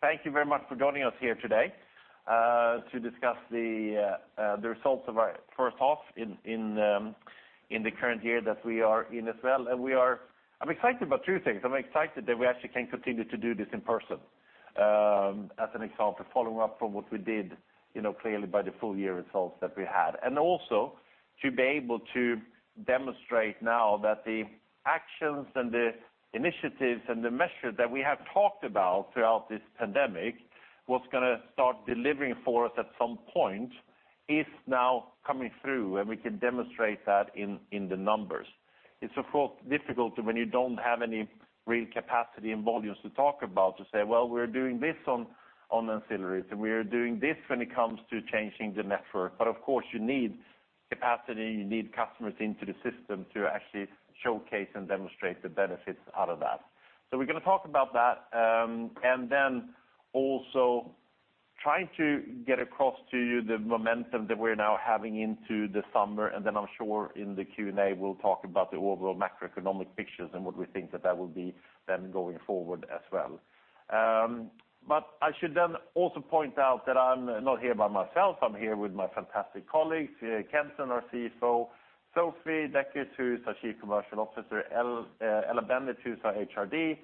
Thank you very much for joining us here today to discuss the results of our first half in the current year that we are in as well. I'm excited about two things. I'm excited that we actually can continue to do this in person as an example, following up from what we did, you know, clearly by the full year results that we had. Also to be able to demonstrate now that the actions and the initiatives and the measures that we have talked about throughout this pandemic, what's gonna start delivering for us at some point, is now coming through, and we can demonstrate that in the numbers. It's of course difficult when you don't have any real capacity and volumes to talk about to say, "Well, we're doing this on ancillaries, and we're doing this when it comes to changing the network." You need capacity, you need customers into the system to actually showcase and demonstrate the benefits out of that. We're gonna talk about that, and then also trying to get across to you the momentum that we're now having into the summer. I'm sure in the Q&A, we'll talk about the overall macroeconomic pictures and what we think that will be then going forward as well. I should then also point out that I'm not here by myself. I'm here with my fantastic colleagues, Kenton, our CFO, Sophie Dekkers, who's our Chief Commercial Officer, Ella Bennett, who's our HRD,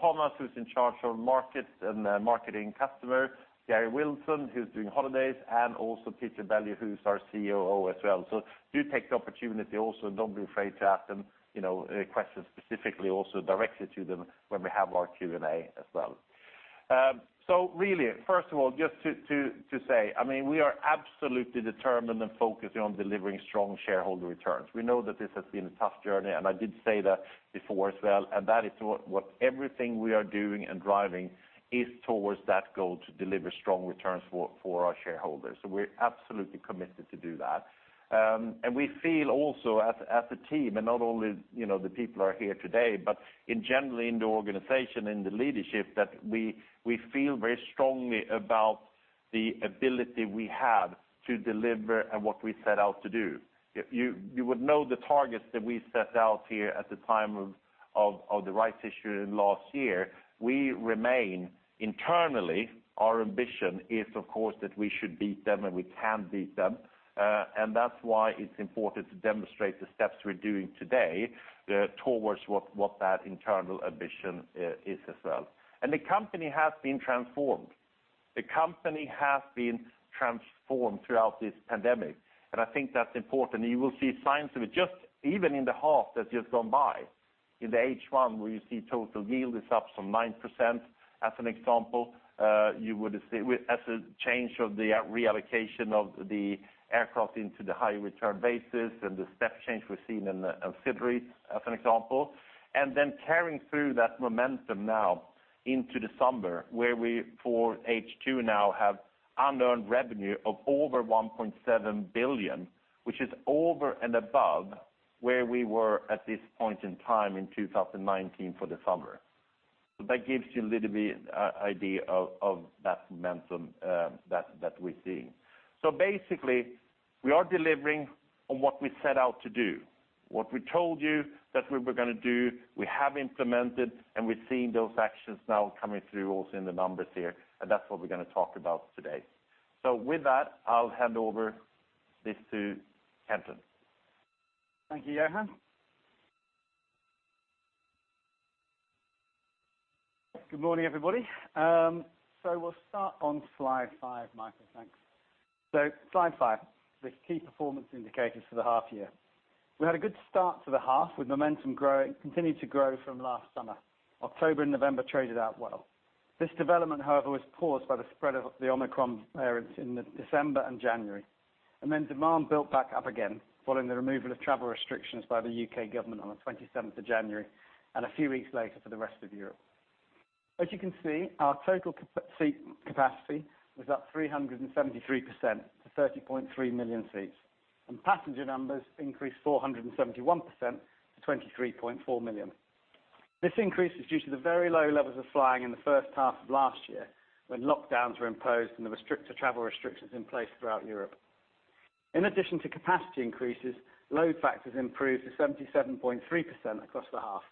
Thomas, who's in charge of market and marketing customer, Garry Wilson, who's doing holidays, and also Peter Bellew, who's our COO as well. Do take the opportunity also, don't be afraid to ask them, you know, questions specifically also directly to them when we have our Q&A as well. Really first of all, just to say, I mean, we are absolutely determined and focusing on delivering strong shareholder returns. We know that this has been a tough journey, and I did say that before as well, and that is what everything we are doing and driving is towards that goal to deliver strong returns for our shareholders. We're absolutely committed to do that. We feel also as a team and not only, you know, the people are here today, but in general in the organization, in the leadership, that we feel very strongly about the ability we have to deliver and what we set out to do. You would know the targets that we set out here at the time of the rights issue in last year. We remain internally, our ambition is of course that we should beat them and we can beat them. That's why it's important to demonstrate the steps we're doing today towards what that internal ambition is as well. The company has been transformed throughout this pandemic, and I think that's important. You will see signs of it just even in the half that's just gone by. In the H1, where you see total yield is up from 9%, as an example, you would see with a change of the reallocation of the aircraft into the high return basis and the step change we're seeing in ancillaries as an example. Then carrying through that momentum now into December, where we for H2 now have unearned revenue of over 1.7 billion, which is over and above where we were at this point in time in 2019 for the summer. That gives you a little bit idea of that momentum that we're seeing. Basically, we are delivering on what we set out to do. What we told you that we were gonna do, we have implemented, and we're seeing those actions now coming through also in the numbers here, and that's what we're gonna talk about today. With that, I'll hand over this to Kenton. Thank you, Johan. Good morning, everybody. We'll start on slide five. Michael, thanks. Slide five, the key performance indicators for the half year. We had a good start to the half with momentum continued to grow from last summer. October and November traded out well. This development, however, was paused by the spread of the Omicron variants in December and January. Demand built back up again following the removal of travel restrictions by the U.K. government on the January 27th, and a few weeks later for the rest of Europe. As you can see, our total seat capacity was up 373% to 30.3 million seats. Passenger numbers increased 471% to 23.4 million. This increase is due to the very low levels of flying in the first half of last year when lockdowns were imposed and there were strict travel restrictions in place throughout Europe. In addition to capacity increases, load factors improved to 77.3% across the half.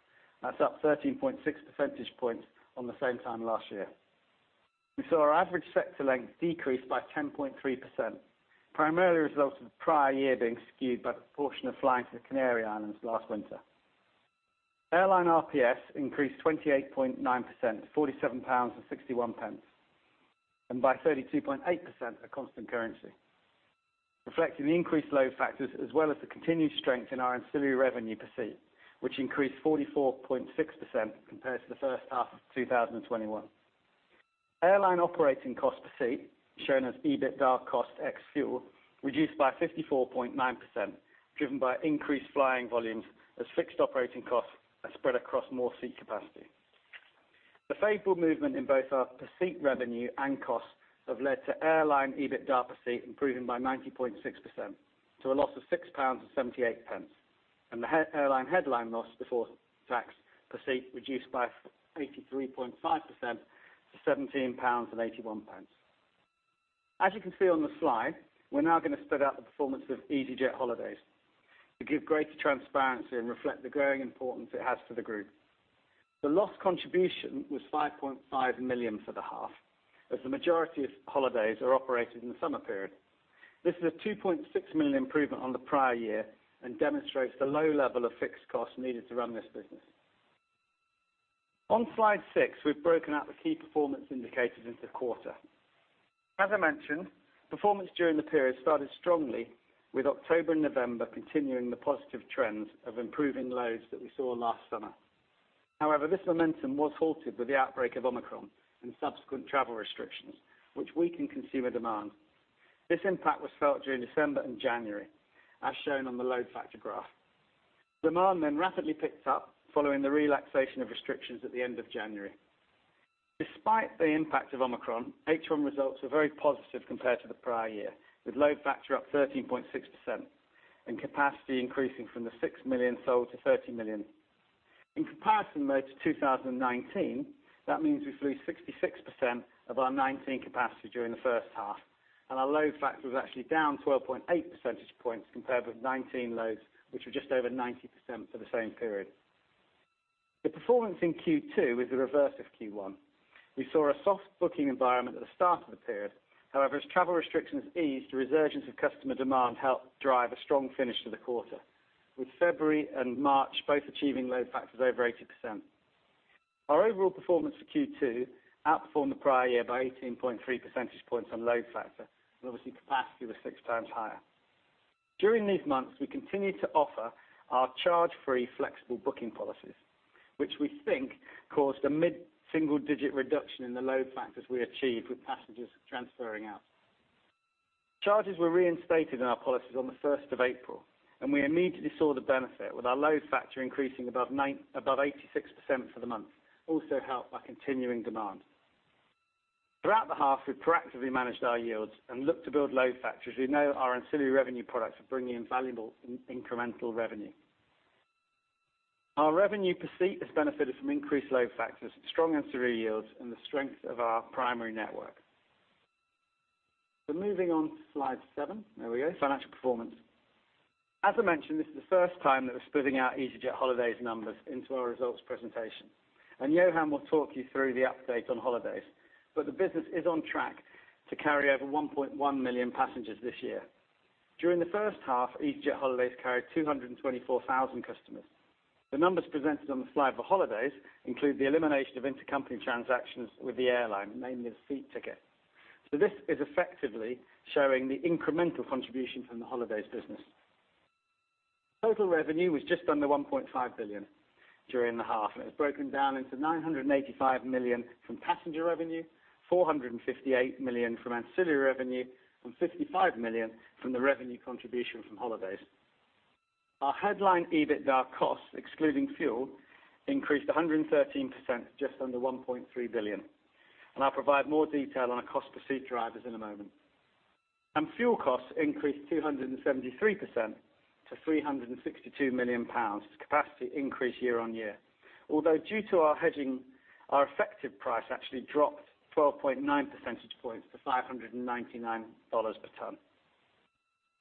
That's up 13.6 percentage points on the same time last year. We saw our average sector length decrease by 10.3%, primarily a result of the prior year being skewed by the proportion of flying to the Canary Islands last winter. Airline RPS increased 28.9% to 47.61, and by 32.8% at constant currency, reflecting the increased load factors as well as the continued strength in our ancillary revenue per seat, which increased 44.6% compared to the first half of 2021. Airline operating cost per seat, shown as EBITDAR cost ex fuel, reduced by 54.9%, driven by increased flying volumes as fixed operating costs are spread across more seat capacity. The favorable movement in both our per seat revenue and costs have led to airline EBITDAR per seat improving by 90.6% to a loss of 6.78 pounds. The airline headline loss before tax per seat reduced by 83.5% to GBP 17.81. As you can see on the slide, we're now gonna split out the performance of easyJet Holidays to give greater transparency and reflect the growing importance it has for the group. The loss contribution was 5.5 million for the half, as the majority of holidays are operated in the summer period. This is a 2.6 million improvement on the prior year and demonstrates the low level of fixed costs needed to run this business. On slide six, we've broken out the key performance indicators into quarters. As I mentioned, performance during the period started strongly with October and November continuing the positive trends of improving loads that we saw last summer. However, this momentum was halted with the outbreak of Omicron and subsequent travel restrictions, which weakened consumer demand. This impact was felt during December and January, as shown on the load factor graph. Demand then rapidly picked up following the relaxation of restrictions at the end of January. Despite the impact of Omicron, H1 results were very positive compared to the prior year, with load factor up 13.6% and capacity increasing from 6 million sold to 13 million. In comparison to 2019, that means we flew 66% of our 2019 capacity during the first half, and our load factor was actually down 12.8 percentage points compared with 2019 loads, which were just over 90% for the same period. The performance in Q2 is the reverse of Q1. We saw a soft booking environment at the start of the period. However, as travel restrictions eased, a resurgence of customer demand helped drive a strong finish to the quarter, with February and March both achieving load factors over 80%. Our overall performance for Q2 outperformed the prior year by 18.3 percentage points on load factor, and obviously capacity was 6x higher. During these months, we continued to offer our charge-free flexible booking policies, which we think caused a mid-single-digit reduction in the load factors we achieved with passengers transferring out. Charges were reinstated in our policies on the first of April, and we immediately saw the benefit, with our load factor increasing above 86% for the month, also helped by continuing demand. Throughout the half we've proactively managed our yields and looked to build load factors as we know our ancillary revenue products are bringing in valuable incremental revenue. Our revenue per seat has benefited from increased load factors, strong ancillary yields, and the strength of our primary network. Moving on to slide seven. There we go. Financial performance. As I mentioned, this is the first time that we're splitting out easyJet Holidays numbers into our results presentation, and Johan will talk you through the update on holidays. The business is on track to carry over 1.1 million passengers this year. During the first half, easyJet Holidays carried 224,000 customers. The numbers presented on the slide for holidays include the elimination of intercompany transactions with the airline, namely the seat ticket. This is effectively showing the incremental contribution from the holidays business. Total revenue was just under 1.5 billion during the half, and it was broken down into 985 million from passenger revenue, 458 million from ancillary revenue, and 55 million from the revenue contribution from holidays. Our headline EBITDA costs, excluding fuel, increased 113% to just under 1.3 billion, and I'll provide more detail on our cost per seat drivers in a moment. Fuel costs increased 273% to 362 million pounds as capacity increased year-on-year. Although due to our hedging, our effective price actually dropped 12.9 percentage points to $599 per ton.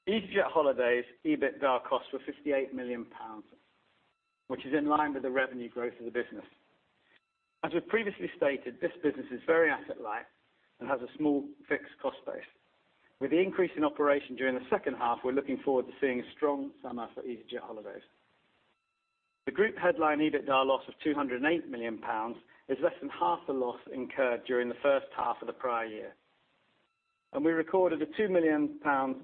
easyJet Holidays' EBITDA costs were 58 million pounds, which is in line with the revenue growth of the business. As we've previously stated, this business is very asset light and has a small fixed cost base. With the increase in operation during the second half, we're looking forward to seeing a strong summer for easyJet Holidays. The group headline EBITDA loss of 208 million pounds is less than half the loss incurred during the first half of the prior year, and we recorded a 2 million pound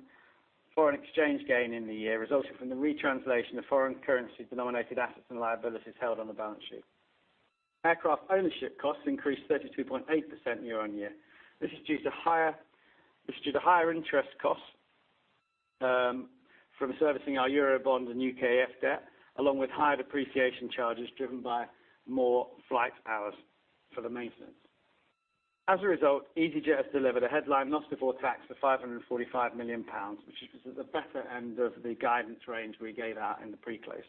foreign exchange gain in the year resulting from the retranslation of foreign currency denominated assets and liabilities held on the balance sheet. Aircraft ownership costs increased 32.8% year-on-year. This is due to higher interest costs from servicing our Eurobond and UKEF debt, along with higher depreciation charges driven by more flight hours for the maintenance. As a result, easyJet has delivered a headline loss before tax for 545 million pounds, which was at the better end of the guidance range we gave out in the pre-close.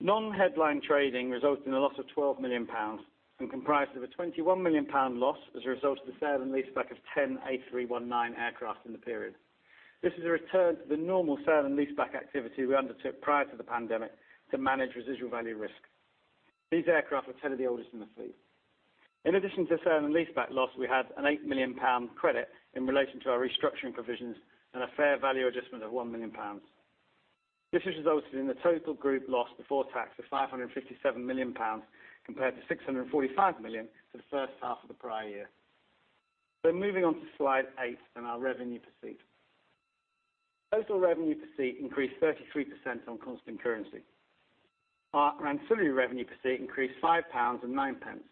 Non-headline trading resulted in a loss of 12 million pounds and comprised of a 21 million pound loss as a result of the sale and leaseback of 10 A319 aircraft in the period. This is a return to the normal sale and leaseback activity we undertook prior to the pandemic to manage residual value risk. These aircraft were 10 of the oldest in the fleet. In addition to sale and leaseback loss, we had a 8 million pound credit in relation to our restructuring provisions and a fair value adjustment of 1 million pounds. This has resulted in the total group loss before tax of 557 million pounds, compared to 645 million for the first half of the prior year. Moving on to slide eight and our revenue per seat. Total revenue per seat increased 33% on constant currency. Our ancillary revenue per seat increased 5.09 pounds,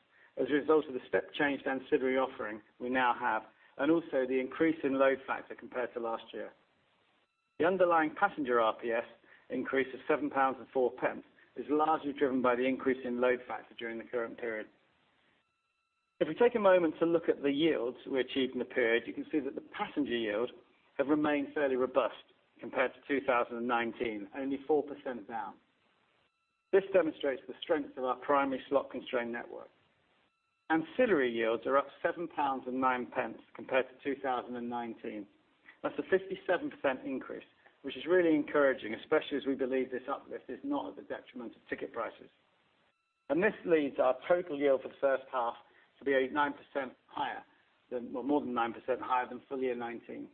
as a result of the step change to the ancillary offering we now have and also the increase in load factor compared to last year. The underlying passenger RPS increase of 7.04 pounds is largely driven by the increase in load factor during the current period. If we take a moment to look at the yields we achieved in the period, you can see that the passenger yield have remained fairly robust compared to 2019, only 4% down. This demonstrates the strength of our primary slot constrained network. Ancillary yields are up 7.09 pounds compared to 2019. That's a 57% increase, which is really encouraging, especially as we believe this uplift is not at the detriment of ticket prices. This leads our total yield for the first half to be 9% higher than well, more than 9% higher than full year 2019.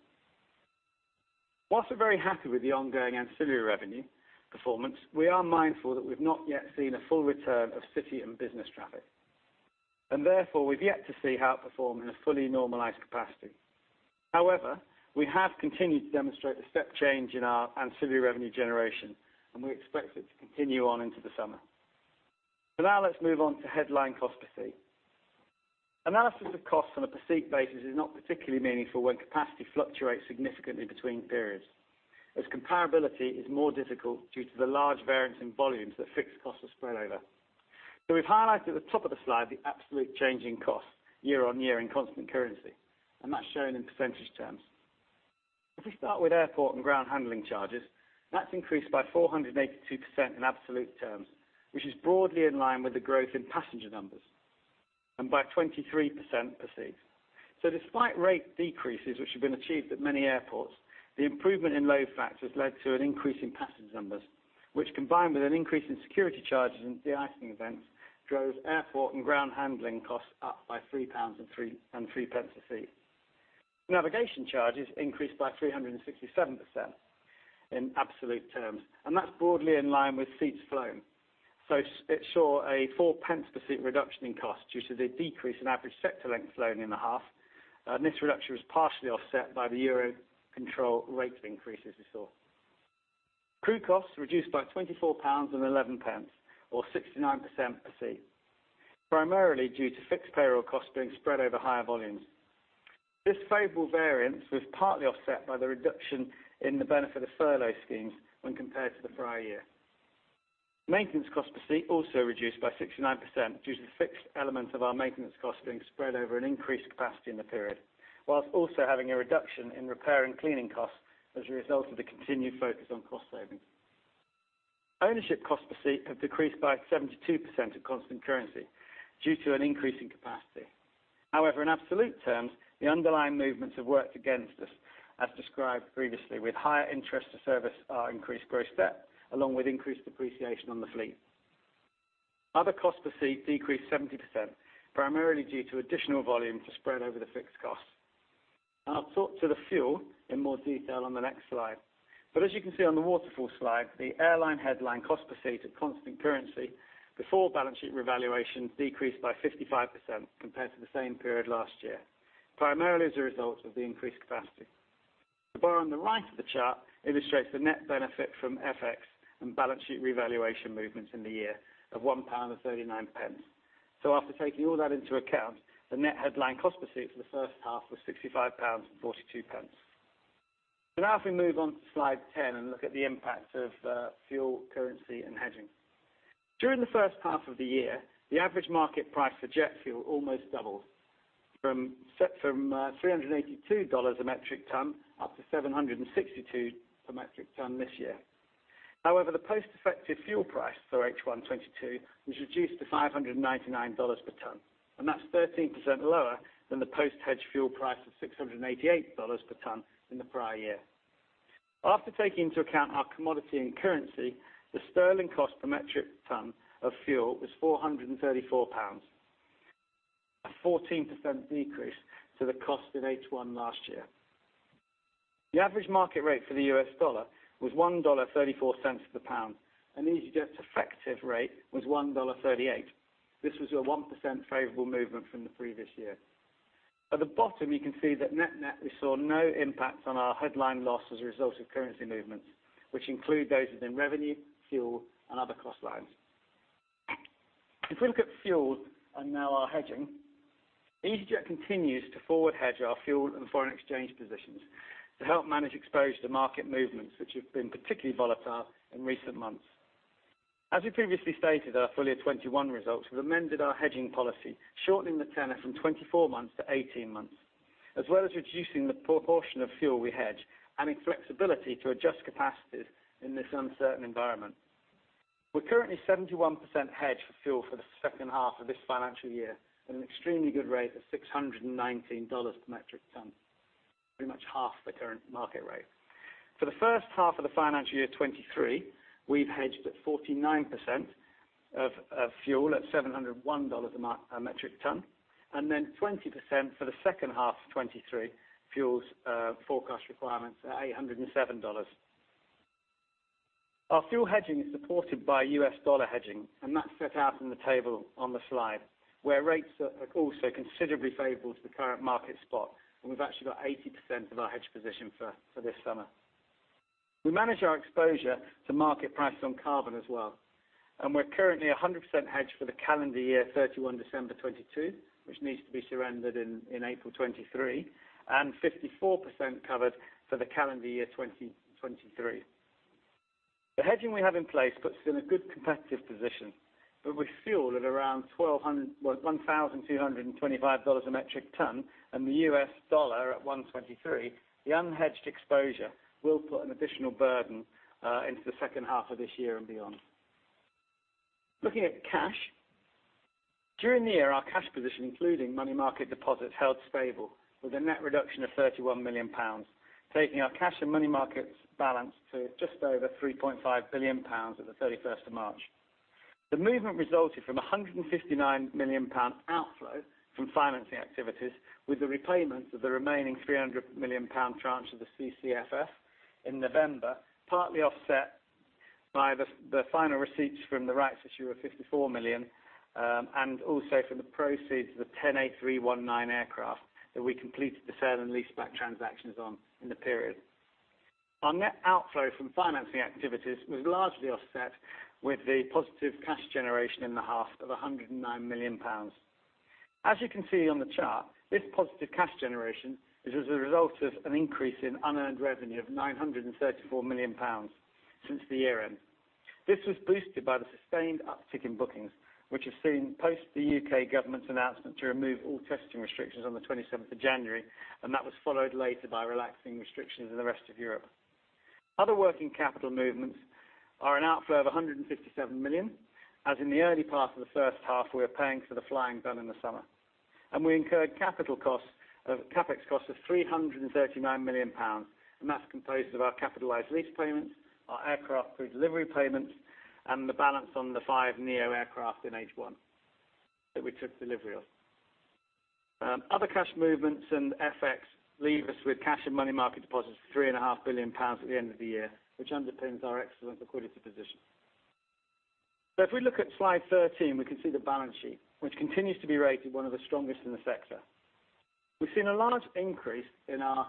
While we're very happy with the ongoing ancillary revenue performance, we are mindful that we've not yet seen a full return of city and business traffic. Therefore, we've yet to see how it perform in a fully normalized capacity. However, we have continued to demonstrate the step change in our ancillary revenue generation, and we expect it to continue on into the summer. Now let's move on to headline cost per seat. Analysis of costs on a per seat basis is not particularly meaningful when capacity fluctuates significantly between periods, as comparability is more difficult due to the large variance in volumes that fixed costs are spread over. We've highlighted at the top of the slide the absolute change in cost year on year in constant currency, and that's shown in percentage terms. If we start with airport and ground handling charges, that's increased by 482 in absolute terms, which is broadly in line with the growth in passenger numbers, and by 23% per seat. Despite rate decreases which have been achieved at many airports, the improvement in load factors led to an increase in passenger numbers, which combined with an increase in security charges and de-icing events, drove airport and ground handling costs up by 3.03 pounds a seat. Navigation charges increased by 367% in absolute terms, and that's broadly in line with seats flown. It saw a 0.04 per seat reduction in costs due to the decrease in average sector length flown in the half. This reduction was partially offset by the Eurocontrol rate increases we saw. Crew costs reduced by 24.11 pounds or 69% per seat, primarily due to fixed payroll costs being spread over higher volumes. This favorable variance was partly offset by the reduction in the benefit of furlough schemes when compared to the prior year. Maintenance cost per seat also reduced by 69% due to the fixed element of our maintenance costs being spread over an increased capacity in the period, while also having a reduction in repair and cleaning costs as a result of the continued focus on cost savings. Ownership cost per seat have decreased by 72% in constant currency due to an increase in capacity. However, in absolute terms, the underlying movements have worked against us as described previously, with higher interest to service our increased gross debt, along with increased depreciation on the fleet. Other cost per seat decreased 70%, primarily due to additional volume to spread over the fixed cost. I'll talk to the fuel in more detail on the next slide. As you can see on the waterfall slide, the airline headline cost per seat at constant currency before balance sheet revaluation decreased by 55% compared to the same period last year, primarily as a result of the increased capacity. The bar on the right of the chart illustrates the net benefit from FX and balance sheet revaluation movements in the year of 1.39 pound. After taking all that into account, the net headline cost per seat for the first half was 65.42 pounds. Now if we move on to slide 10 and look at the impact of fuel, currency and hedging. During the first half of the year, the average market price for jet fuel almost doubled from $382 a metric ton up to $762 per metric ton this year. However, the post-hedge fuel price for H1 2022 was reduced to $599 per ton, and that's 13% lower than the post-hedge fuel price of $688 per ton in the prior year. After taking into account our commodity and currency, the sterling cost per metric ton of fuel was 434 pounds, a 14% decrease to the cost in H1 last year. The average market rate for the U.S dollar was $1.34 to the pound, and easyJet's effective rate was $1.38. This was a 1% favorable movement from the previous year. At the bottom, you can see that net-net, we saw no impact on our headline loss as a result of currency movements, which include those within revenue, fuel and other cost lines. If we look at fuel and now our hedging, easyJet continues to forward hedge our fuel and foreign exchange positions to help manage exposure to market movements, which have been particularly volatile in recent months. As we previously stated, our full year 2021 results, we've amended our hedging policy, shortening the tenor from 24 months to 18 months, as well as reducing the proportion of fuel we hedge and in flexibility to adjust capacities in this uncertain environment. We're currently 71% hedged for fuel for the second half of this financial year at an extremely good rate of $619 per metric ton, pretty much half the current market rate. For the first half of the financial year 2023, we've hedged at 49% of fuel at $701 a metric ton, and then 20% for the second half of 2023 fuel's forecast requirements at $807. Our fuel hedging is supported by U.S dollar hedging, and that's set out in the table on the slide, where rates are also considerably favorable to the current market spot, and we've actually got 80% of our hedge position for this summer. We manage our exposure to market prices on carbon as well, and we're currently 100% hedged for the calendar year December 31, 2022, which needs to be surrendered in April 2023, and 54% covered for the calendar year 2023. The hedging we have in place puts us in a good competitive position. With fuel at around $1,225 a metric ton, and the U.S dollar at $1.23, the unhedged exposure will put an additional burden into the second half of this year and beyond. Looking at cash. During the year, our cash position, including money market deposits, held stable with a net reduction of 31 million pounds, taking our cash and money markets balance to just over 3.5 billion pounds at the thirty-first of March. The movement resulted from a 159 million pound outflow from financing activities, with the repayment of the remaining 300 million pound tranche of the CCFF in November, partly offset by the final receipts from the rights issue of 54 million, and also from the proceeds of the 10 A319 aircraft that we completed the sale and leaseback transactions on in the period. Our net outflow from financing activities was largely offset with the positive cash generation in the half of 109 million pounds. As you can see on the chart, this positive cash generation is as a result of an increase in unearned revenue of 934 million pounds since the year end. This was boosted by the sustained uptick in bookings, which has seen, post the U.K government's announcement to remove all testing restrictions on the January 27th, and that was followed later by relaxing restrictions in the rest of Europe. Other working capital movements are an outflow of 157 million, as in the early part of the first half, we are paying for the flying done in the summer. We incurred CapEx costs of 339 million pounds, and that's composed of our capitalized lease payments, our aircraft pre-delivery payments, and the balance on the five neo aircraft in H1 that we took delivery of. Other cash movements and FX leave us with cash and money market deposits of 3.5 billion pounds at the end of the year, which underpins our excellent liquidity position. If we look at slide 13, we can see the balance sheet, which continues to be rated one of the strongest in the sector. We've seen a large increase in our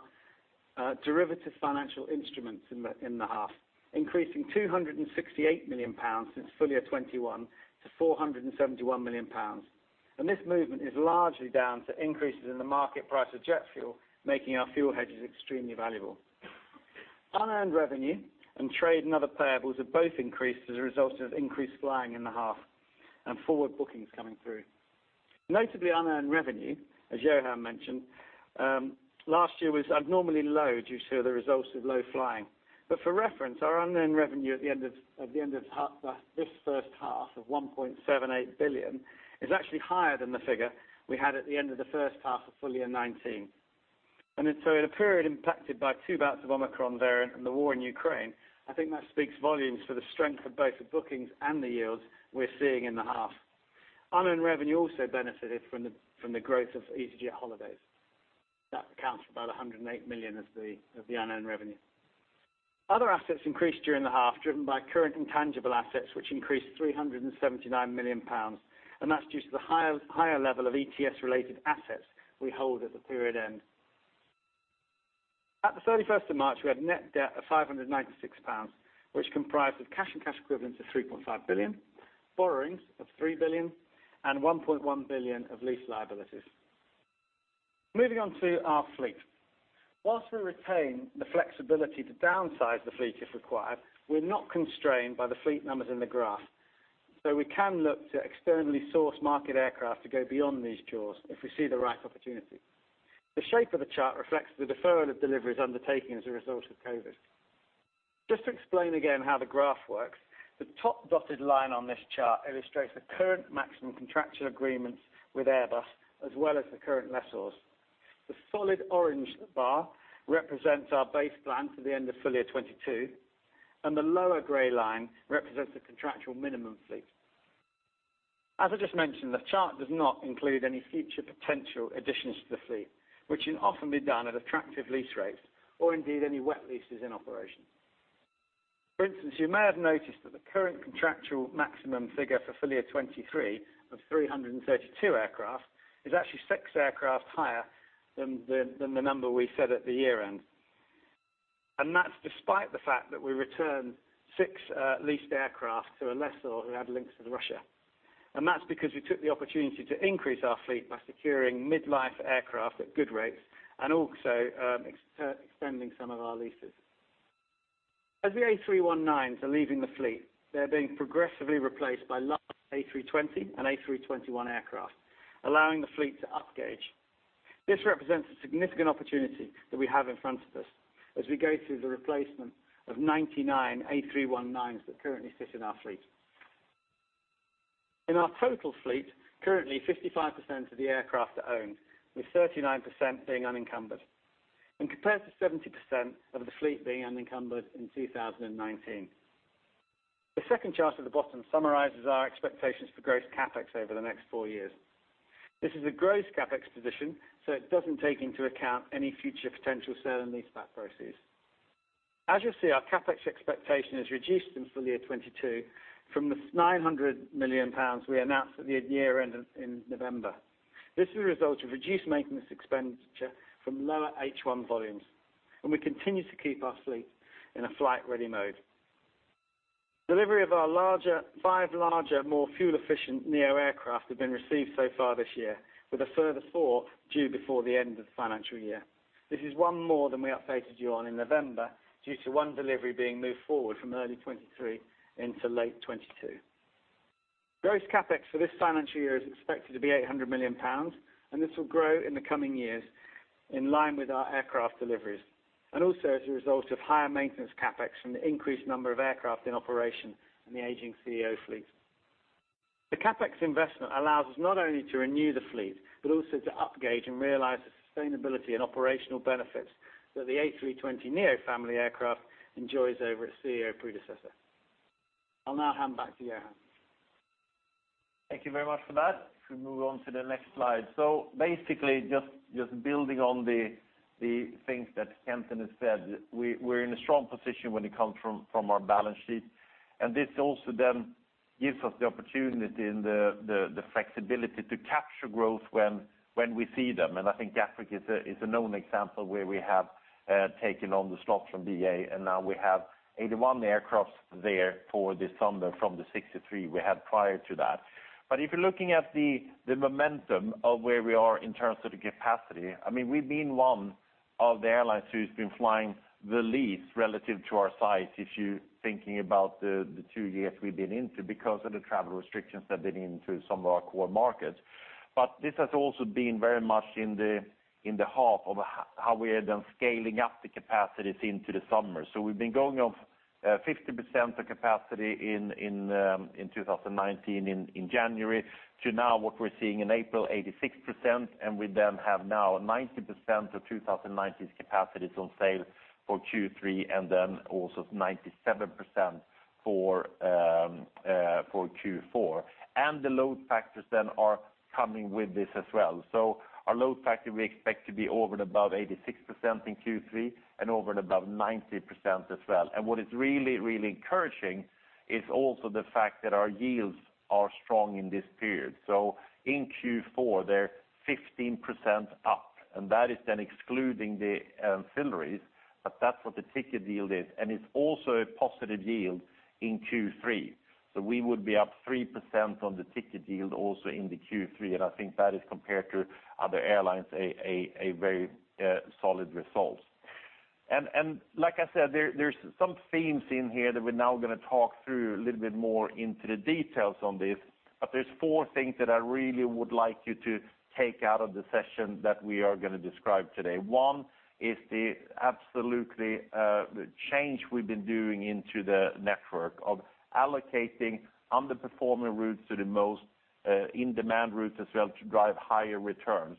derivative financial instruments in the half, increasing 268 million pounds since full year 2021 to 471 million pounds. This movement is largely down to increases in the market price of jet fuel, making our fuel hedges extremely valuable. Unearned revenue and trade and other payables have both increased as a result of increased flying in the half and forward bookings coming through. Notably, unearned revenue, as Johan mentioned, last year was abnormally low due to the results of low flying. For reference, our unearned revenue at the end of this first half of 1.78 billion is actually higher than the figure we had at the end of the first half of full year 2019. In a period impacted by two bouts of Omicron variant and the war in Ukraine, I think that speaks volumes for the strength of both the bookings and the yields we're seeing in the half. Unearned revenue also benefited from the growth of easyJet Holidays. That accounts for about 108 million of the unearned revenue. Other assets increased during the half, driven by current intangible assets, which increased 379 million pounds. That's due to the higher level of ETS-related assets we hold at the period end. At the March 31st, we had net debt of 596 million pounds, which comprised of cash and cash equivalents of 3.5 billion, borrowings of 3 billion, and 1.1 billion of lease liabilities. Moving on to our fleet. While we retain the flexibility to downsize the fleet if required, we're not constrained by the fleet numbers in the graph. We can look to externally source market aircraft to go beyond these jaws if we see the right opportunity. The shape of the chart reflects the deferral of deliveries undertaken as a result of COVID. Just to explain again how the graph works, the top dotted line on this chart illustrates the current maximum contractual agreements with Airbus, as well as the current lessors. The solid orange bar represents our base plan to the end of full year 2022, and the lower gray line represents the contractual minimum fleet. As I just mentioned, the chart does not include any future potential additions to the fleet, which can often be done at attractive lease rates or indeed any wet leases in operation. For instance, you may have noticed that the current contractual maximum figure for full year 2023 of 332 aircraft is actually six aircraft higher than the number we said at the year-end. That's despite the fact that we returned six leased aircraft to a lessor who had links to Russia. That's because we took the opportunity to increase our fleet by securing mid-life aircraft at good rates and also extending some of our leases. As the A319s are leaving the fleet, they're being progressively replaced by larger A320 and A321 aircraft, allowing the fleet to up gauge. This represents a significant opportunity that we have in front of us as we go through the replacement of 99 A319s that currently sit in our fleet. In our total fleet, currently 55% of the aircraft are owned, with 39% being unencumbered, and compared to 70% of the fleet being unencumbered in 2019. The second chart at the bottom summarizes our expectations for gross CapEx over the next four years. This is a gross CapEx position, so it doesn't take into account any future potential sale and leaseback proceeds. As you'll see, our CapEx expectation has reduced in full year 2022 from the 900 million pounds we announced at the year end in November. This is a result of reduced maintenance expenditure from lower H1 volumes, and we continue to keep our fleet in a flight-ready mode. Delivery of our five larger, more fuel-efficient neo-aircraft have been received so far this year, with a further four due before the end of the financial year. This is one more than we updated you on in November due to one delivery being moved forward from early 2023 into late 2022. Gross CapEx for this financial year is expected to be 800 million pounds, and this will grow in the coming years in line with our aircraft deliveries. Also as a result of higher maintenance CapEx from the increased number of aircraft in operation and the aging CEO fleet. The CapEx investment allows us not only to renew the fleet, but also to up gauge and realize the sustainability and operational benefits that the A320neo family aircraft enjoys over its CEO predecessor. I'll now hand back to Johan. Thank you very much for that. If we move on to the next slide. Basically just building on the things that Kenton has said. We're in a strong position when it comes to our balance sheet. This also then gives us the opportunity and the flexibility to capture growth when we see them. I think Gatwick is a known example where we have taken on the slots from BA, and now we have 81 aircraft there for this summer from the 63 we had prior to that. If you're looking at the momentum of where we are in terms of the capacity, I mean, we've been one of the airlines who's been flying the least relative to our size, if you're thinking about the two years we've been in because of the travel restrictions that have been in some of our core markets. This has also been very much in the half of how we are then scaling up the capacities into the summer. We've been going from 50% of capacity in 2019 in January to now what we're seeing in April 86%. We then have now 90% of 2019's capacities on sale for Q3, and then also 97% for Q4. The load factors then are coming with this as well. Our load factor we expect to be over and above 86% in Q3 and over and above 90% as well. What is really encouraging is also the fact that our yields are strong in this period. In Q4, they're 15% up, and that is then excluding the ancillaries, but that's what the ticket yield is. It's also a positive yield in Q3. We would be up 3% on the ticket yield also into Q3. I think that is compared to other airlines a very solid result. Like I said, there's some themes in here that we're now gonna talk through a little bit more into the details on this. There's four things that I really would like you to take out of the session that we are gonna describe today. One is the absolute change we've been doing into the network of allocating underperforming routes to the most in-demand routes as well to drive higher returns.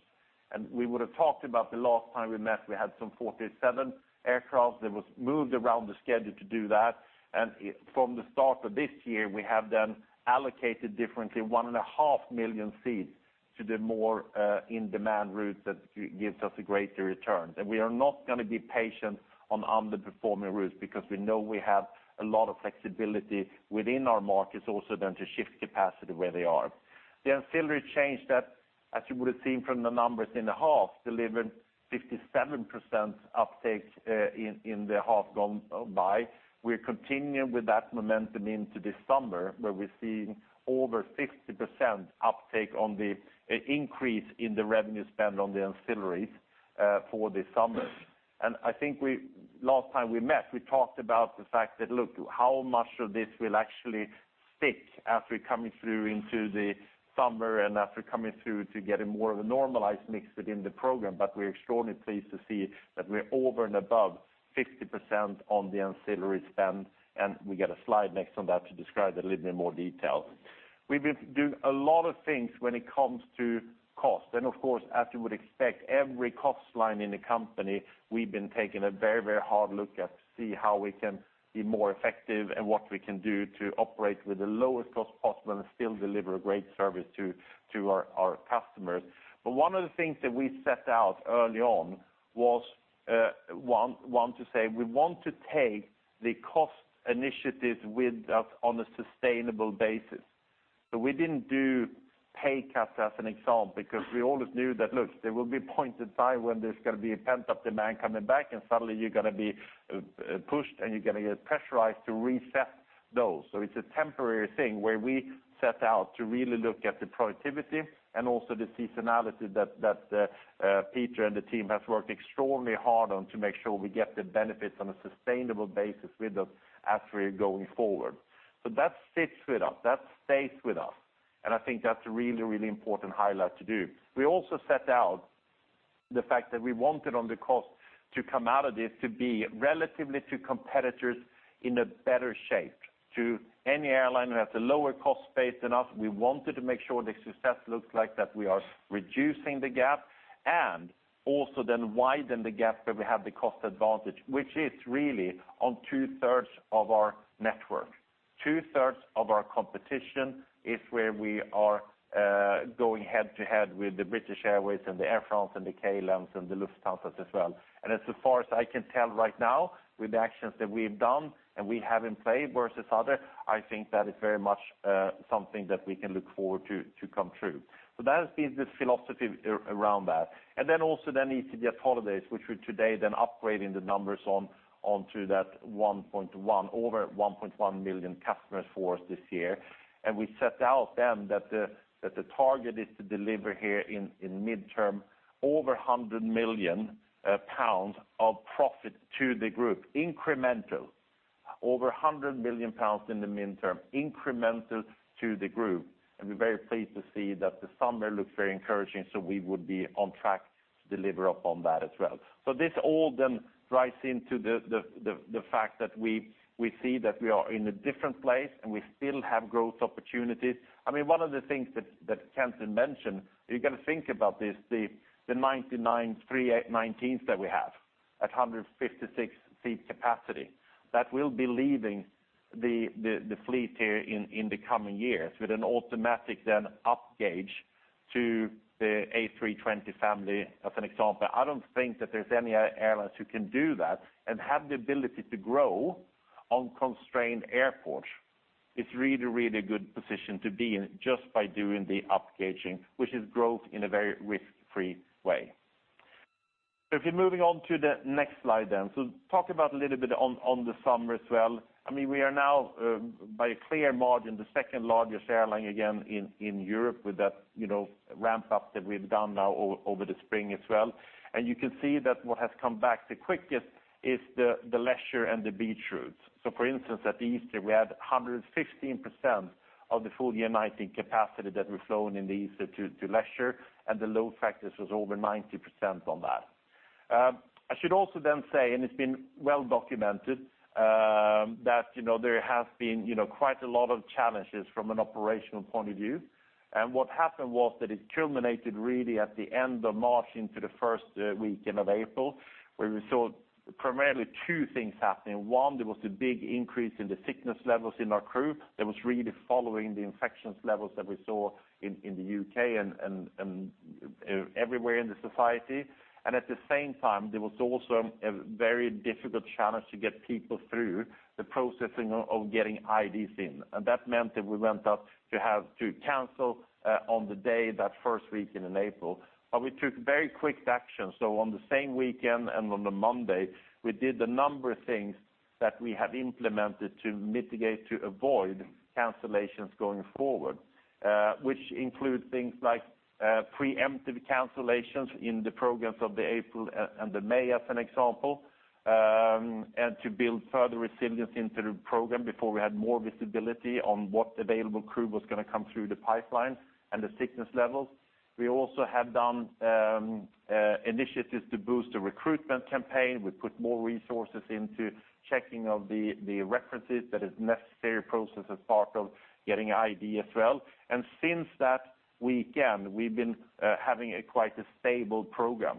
We would've talked about the last time we met, we had some 47 aircraft that was moved around the schedule to do that. From the start of this year, we have then allocated differently 1.5 million seats to the more in-demand routes that gives us a greater return. We are not gonna be patient on underperforming routes because we know we have a lot of flexibility within our markets also then to shift capacity where they are. The ancillary change that, as you would've seen from the numbers in the half, delivered 57% uptake in the half gone by. We're continuing with that momentum into this summer, where we're seeing over 50% uptake on the increase in the revenue spend on the ancillaries for this summer. I think last time we met, we talked about the fact that, look, how much of this will actually stick as we're coming through into the summer and as we're coming through to getting more of a normalized mix within the program. We're extraordinarily pleased to see that we're over and above 50% on the ancillary spend, and we get a slide next on that to describe it a little bit more detail. We've been doing a lot of things when it comes to cost. Of course, as you would expect, every cost line in the company, we've been taking a very, very hard look at to see how we can be more effective and what we can do to operate with the lowest cost possible and still deliver a great service to our customers. One of the things that we set out early on was one to say, we want to take the cost initiatives with us on a sustainable basis. We didn't do pay cuts as an example, because we always knew that, look, there will be a point in time when there's gonna be a pent-up demand coming back, and suddenly you're gonna be pushed, and you're gonna get pressurized to reset those. It's a temporary thing where we set out to really look at the productivity and also the seasonality that Peter and the team have worked extremely hard on to make sure we get the benefits on a sustainable basis with us as we're going forward. That sits with us, that stays with us, and I think that's a really, really important highlight to do. We also set out the fact that we wanted on the cost to come out of this to be relatively to competitors in a better shape to any airline who has a lower cost base than us. We wanted to make sure the success looks like that we are reducing the gap and also then widen the gap where we have the cost advantage, which is really on 2/3 Of our network. Two-thirds of our competition is where we are, going head-to-head with the British Airways and the Air France and the KLM and the Lufthansa as well. As far as I can tell right now, with the actions that we've done and we have in play versus others, I think that is very much something that we can look forward to come true. That has been the philosophy around that. easyJet Holidays, which we're today upgrading the numbers on, onto that 1.1, over 1.1 million customers for us this year. We set out then that the target is to deliver here in the mid-term over 100 million pounds of profit to the group incremental. Over 100 million pounds in the mid-term incremental to the group, and we're very pleased to see that the summer looks very encouraging, so we would be on track to deliver upon that as well. This all then drives into the fact that we see that we are in a different place, and we still have growth opportunities. I mean, one of the things that Kenton mentioned, you got to think about this, the 99 A319s that we have at 156-seat capacity that will be leaving the fleet here in the coming years with an automatic then upgauge to the A320 family, as an example. I don't think that there's any airlines who can do that and have the ability to grow on constrained airports. It's really a good position to be in just by doing the upgauging, which is growth in a very risk-free way. If you're moving on to the next slide then. Talk about a little bit on the summer as well. I mean, we are now, by a clear margin, the second-largest airline again in Europe with that, you know, ramp-up that we've done now over the spring as well. You can see that what has come back the quickest is the leisure and the beach routes. For instance, at Easter, we had 115% of the full-year 2019 capacity that we've flown in the Easter to leisure, and the load factors was over 90% on that. I should also then say, it's been well documented that, you know, there has been, you know, quite a lot of challenges from an operational point of view. What happened was that it culminated really at the end of March into the first weekend of April, where we saw primarily two things happening. One, there was a big increase in the sickness levels in our crew that was really following the infections levels that we saw in the U.K and everywhere in the society. At the same time, there was also a very difficult challenge to get people through the processing of getting IDs in. That meant that we went up to have to cancel on the day that 1st weekend in April. We took very quick action. On the same weekend and on the Monday, we did a number of things that we have implemented to mitigate, to avoid cancellations going forward, which include things like, preemptive cancellations in the programs of the April and the May as an example, and to build further resilience into the program before we had more visibility on what available crew was gonna come through the pipeline and the sickness levels. We also have done initiatives to boost the recruitment campaign. We put more resources into checking of the references that is necessary process as part of getting ID as well. Since that weekend, we've been having quite a stable program.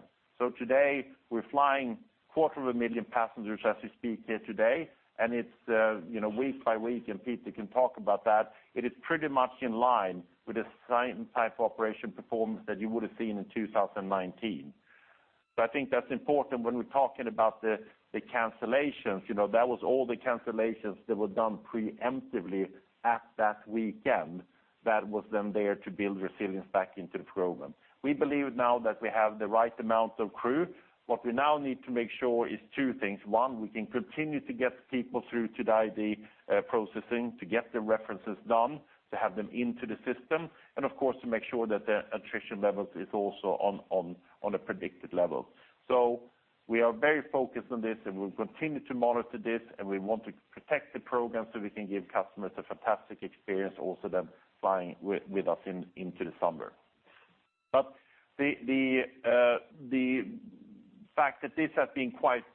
Today we're flying quarter of a million passengers as we speak here today, and it's, you know, week by week, and Peter can talk about that. It is pretty much in line with the same type of operation performance that you would have seen in 2019. I think that's important when we're talking about the cancellations. You know, that was all the cancellations that were done preemptively at that weekend that was then there to build resilience back into the program. We believe now that we have the right amount of crew. What we now need to make sure is two things. One, we can continue to get people through to the ID processing to get the references done, to have them into the system, and of course, to make sure that the attrition levels is also on a predicted level. We are very focused on this, and we'll continue to monitor this, and we want to protect the program so we can give customers a fantastic experience also them flying with us into the summer. The fact that this has been quite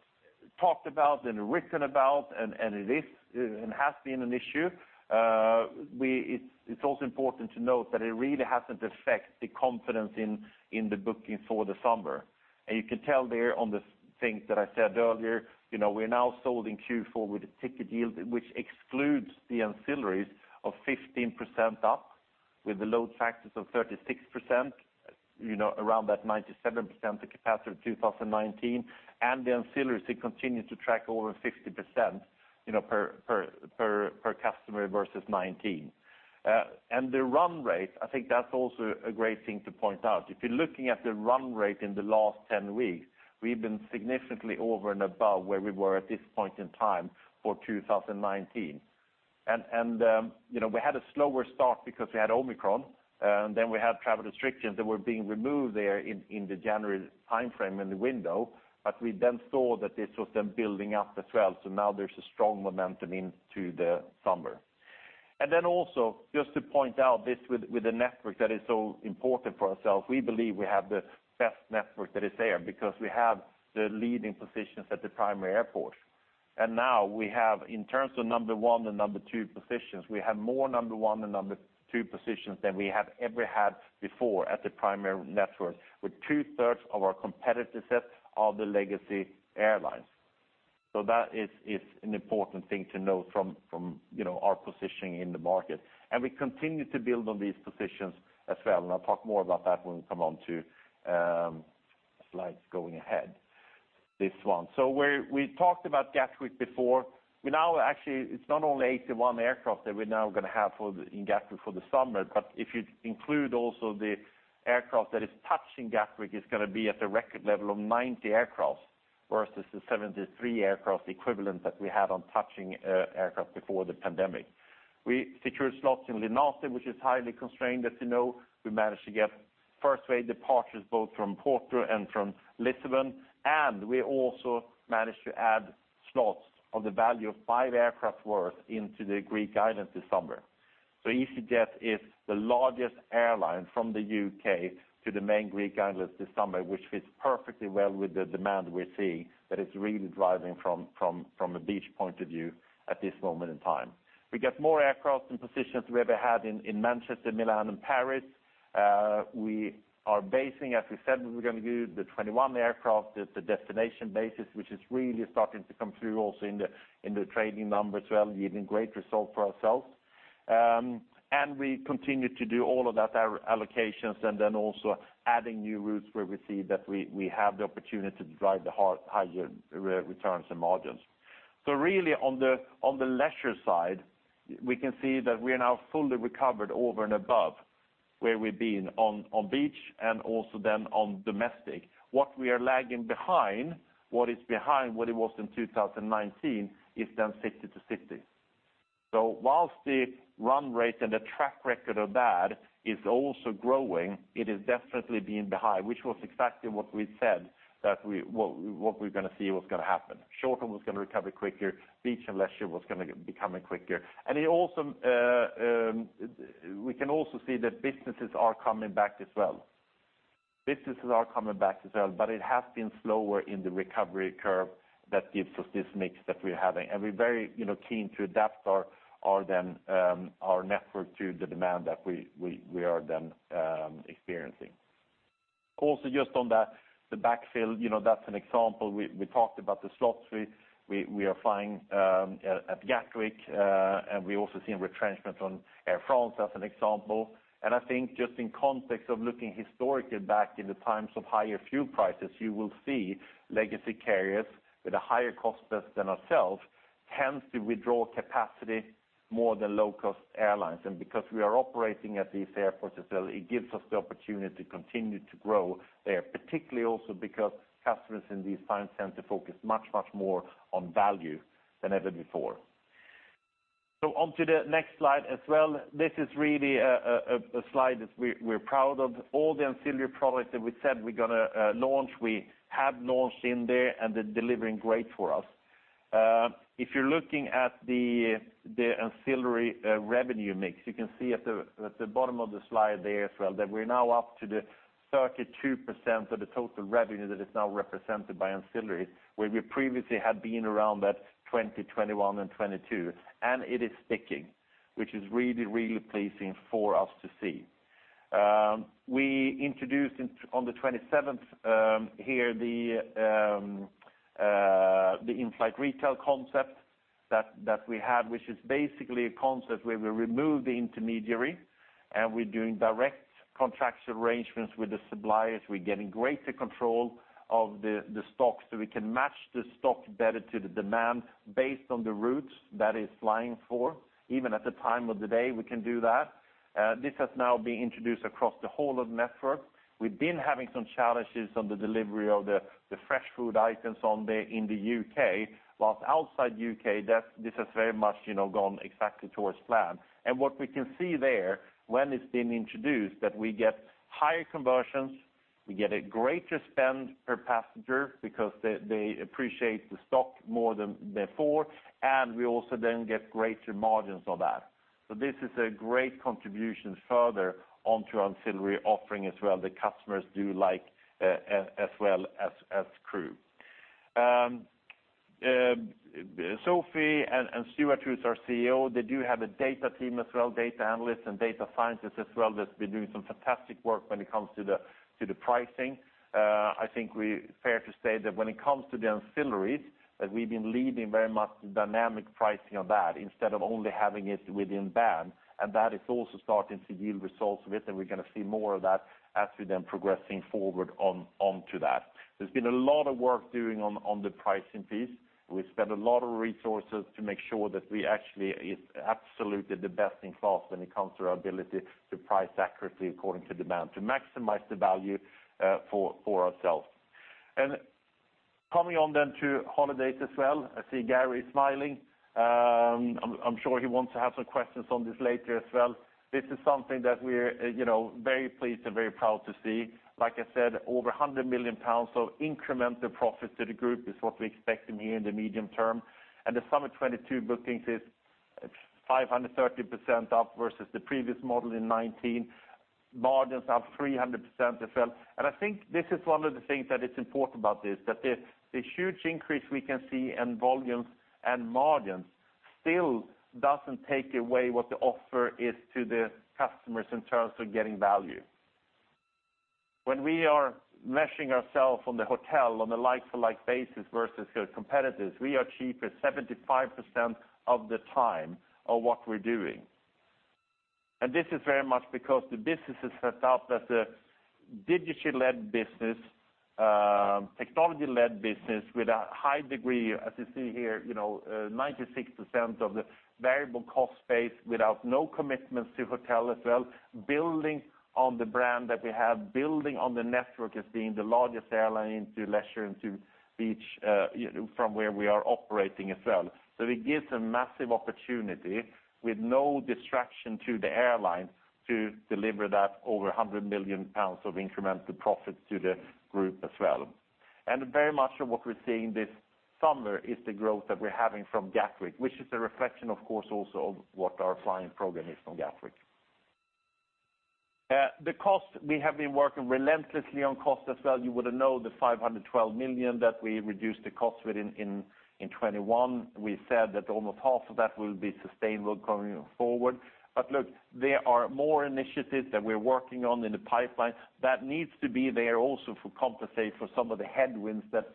talked about and written about and it is and has been an issue, it's also important to note that it really hasn't affect the confidence in the booking for the summer. You can tell there on the things that I said earlier, you know, we're now sold in Q4 with a ticket yield, which excludes the ancillaries of 15% up with the load factors of 36%, you know, around that 97%, the capacity of 2019. The ancillaries, it continues to track over 60%, per customer versus 2019. The run rate, I think that's also a great thing to point out. If you're looking at the run rate in the last 10 weeks, we've been significantly over and above where we were at this point in time for 2019. We had a slower start because we had Omicron, and then we had travel restrictions that were being removed there in the January timeframe in the window. We then saw that this was then building up as well. Now there's a strong momentum into the summer. Then also just to point out this with the network that is so important for ourselves, we believe we have the best network that is there because we have the leading positions at the primary airport. Now we have in terms of number one and number two positions, we have more number one and number two positions than we have ever had before at the primary network, with two-thirds of our competitive set are the legacy airlines. That is an important thing to know from you know, our positioning in the market. We continue to build on these positions as well. I'll talk more about that when we come on to slides going ahead. This one. Where we talked about Gatwick before, we now actually, it's not only 81 aircraft that we're now gonna have in Gatwick for the summer, but if you include also the aircraft that is touching Gatwick, it's gonna be at a record level of 90 aircraft versus the 73 aircraft equivalent that we had on touching aircraft before the pandemic. We secured slots in Linate, which is highly constrained, as you know. We managed to get first wave departures both from Porto and from Lisbon, and we also managed to add slots of the value of five aircraft worth into the Greek Islands this summer. easyJet is the largest airline from the U.K. to the main Greek Islands this summer, which fits perfectly well with the demand we're seeing that is really driving from a beach point of view at this moment in time. We get more aircraft in positions than we ever had in Manchester, Milan and Paris. We are basing, as we said we were gonna do, the 21 aircraft at the destination bases, which is really starting to come through also in the trading numbers as well, yielding great results for ourselves. We continue to do all of that allocations and then also adding new routes where we see that we have the opportunity to drive the higher returns and margins. Really on the leisure side, we can see that we are now fully recovered over and above where we've been on beach and also then on domestic. What we are lagging behind what it was in 2019 is 50%-60%. While the run rate and the track record of that is also growing, it is definitely been behind, which was exactly what we said that what we're gonna see was gonna happen. Short-haul was gonna recover quicker, beach and leisure was gonna become quicker. It also, we can also see that businesses are coming back as well. Businesses are coming back as well, but it has been slower in the recovery curve that gives us this mix that we're having. We're very, you know, keen to adapt our network to the demand that we are then experiencing. Also, just on the backfill, you know, that's an example. We talked about the slots we are flying at Gatwick, and we also see a retrenchment on Air France as an example. I think just in context of looking historically back in the times of higher fuel prices, you will see legacy carriers with a higher cost base than ourselves tends to withdraw capacity more than low-cost airlines. Because we are operating at these airports as well, it gives us the opportunity to continue to grow there, particularly also because customers in these times tend to focus much more on value than ever before. On to the next slide as well. This is really a slide that we're proud of. All the ancillary products that we said we're gonna launch, we have launched in there and they're delivering great for us. If you're looking at the ancillary revenue mix, you can see at the bottom of the slide there as well that we're now up to the 32% of the total revenue that is now represented by ancillary, where we previously had been around that 20%, 21% and 22%. It is sticking, which is really pleasing for us to see. We introduced on the 27th here the in-flight retail concept that we have, which is basically a concept where we remove the intermediary and we're doing direct contract arrangements with the suppliers. We're getting greater control of the stock, so we can match the stock better to the demand based on the routes that it's flying for. Even at the time of the day, we can do that. This has now been introduced across the whole of network. We've been having some challenges on the delivery of the fresh food items in the U.K. While outside U.K, this has very much, you know, gone exactly towards plan. What we can see there when it's been introduced, that we get higher conversions, we get a greater spend per passenger because they appreciate the stock more than before, and we also then get greater margins on that. This is a great contribution further onto ancillary offering as well. The customers do like, as well as crew. Sophie Dekkers and Johan Lundgren, who's our CEO, they do have a data team as well, data analysts and data scientists as well that's been doing some fantastic work when it comes to the pricing. I think it's fair to say that when it comes to the ancillaries, that we've been leading very much the dynamic pricing of that instead of only having it within band. That is also starting to yield results with, and we're gonna see more of that as we then progressing forward onto that. There's been a lot of work done on the pricing piece. We've spent a lot of resources to make sure that we actually is absolutely the best in class when it comes to our ability to price accurately according to demand, to maximize the value for ourselves. Coming on then to holidays as well. I see Garry smiling. I'm sure he wants to have some questions on this later as well. This is something that we're, you know, very pleased and very proud to see. Like I said, over 100 million pounds of incremental profits to the group is what we're expecting here in the medium term. The summer 2022 bookings is 530% up versus the previous model in 2019. Margins are 300% as well. I think this is one of the things that is important about this, that the huge increase we can see in volumes and margins still doesn't take away what the offer is to the customers in terms of getting value. When we are matching ourselves on the hotel on a like-for-like basis versus competitors, we are cheaper 75% of the time of what we're doing. This is very much because the business is set up as a digital-led business, technology-led business with a high degree, as you see here, you know, 96% of the variable cost base without no commitments to hotel as well, building on the brand that we have, building on the network as being the largest airline into leisure, into beach, you know, from where we are operating as well. It gives a massive opportunity with no distraction to the airlines to deliver that over 100 million pounds of incremental profits to the group as well. Very much of what we're seeing this summer is the growth that we're having from Gatwick, which is a reflection, of course, also of what our flying program is from Gatwick. The cost, we have been working relentlessly on cost as well. You would have known the 512 million that we reduced the cost within in 2021. We said that almost half of that will be sustainable going forward. Look, there are more initiatives that we're working on in the pipeline that needs to be there also to compensate for some of the headwinds that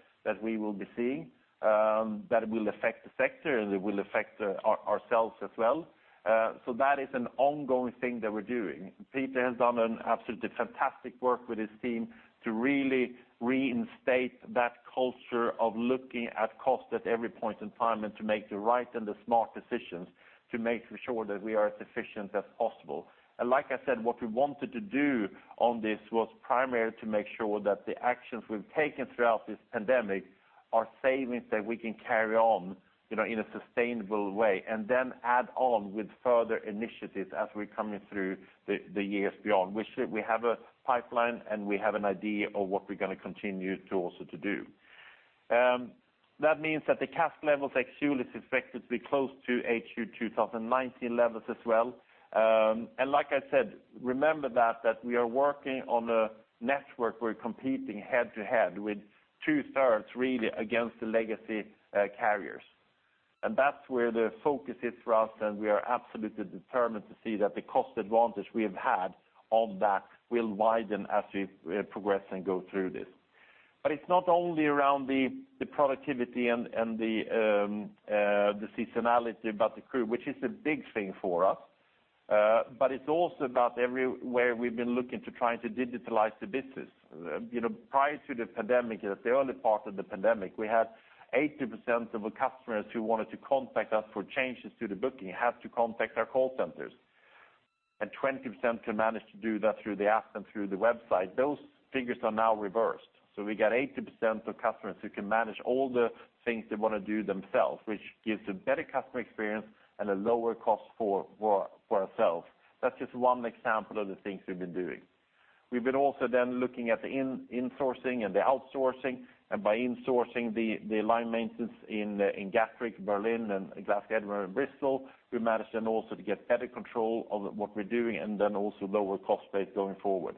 we will be seeing, that will affect the sector, and it will affect ourselves as well. That is an ongoing thing that we're doing. Peter has done an absolutely fantastic work with his team to really reinstate that culture of looking at cost at every point in time and to make the right and the smart decisions to make sure that we are as efficient as possible. Like I said, what we wanted to do on this was primarily to make sure that the actions we've taken throughout this pandemic are savings that we can carry on, you know, in a sustainable way, and then add on with further initiatives as we're coming through the years beyond. Which we have a pipeline, and we have an idea of what we're going to continue to also do. That means that the cash levels at Q is expected to be close to H2 2019 levels as well. Like I said, remember that we are working on a network. We're competing head to head with 2/3, really, against the legacy carriers. That's where the focus is for us, and we are absolutely determined to see that the cost advantage we have had on that will widen as we progress and go through this. It's not only around the productivity and the seasonality about the crew, which is a big thing for us, but it's also about everywhere we've been looking to trying to digitalize the business. You know, prior to the pandemic, at the early part of the pandemic, we had 80% of our customers who wanted to contact us for changes to the booking have to contact our call centers, and 20% can manage to do that through the app and through the website. Those figures are now reversed. We get 80% of customers who can manage all the things they want to do themselves, which gives a better customer experience and a lower cost for ourselves. That's just one example of the things we've been doing. We've been also then looking at the in-insourcing and the outsourcing, and by insourcing the line maintenance in Gatwick, Berlin, and Glasgow, and Bristol, we managed then also to get better control of what we're doing and then also lower cost base going forward.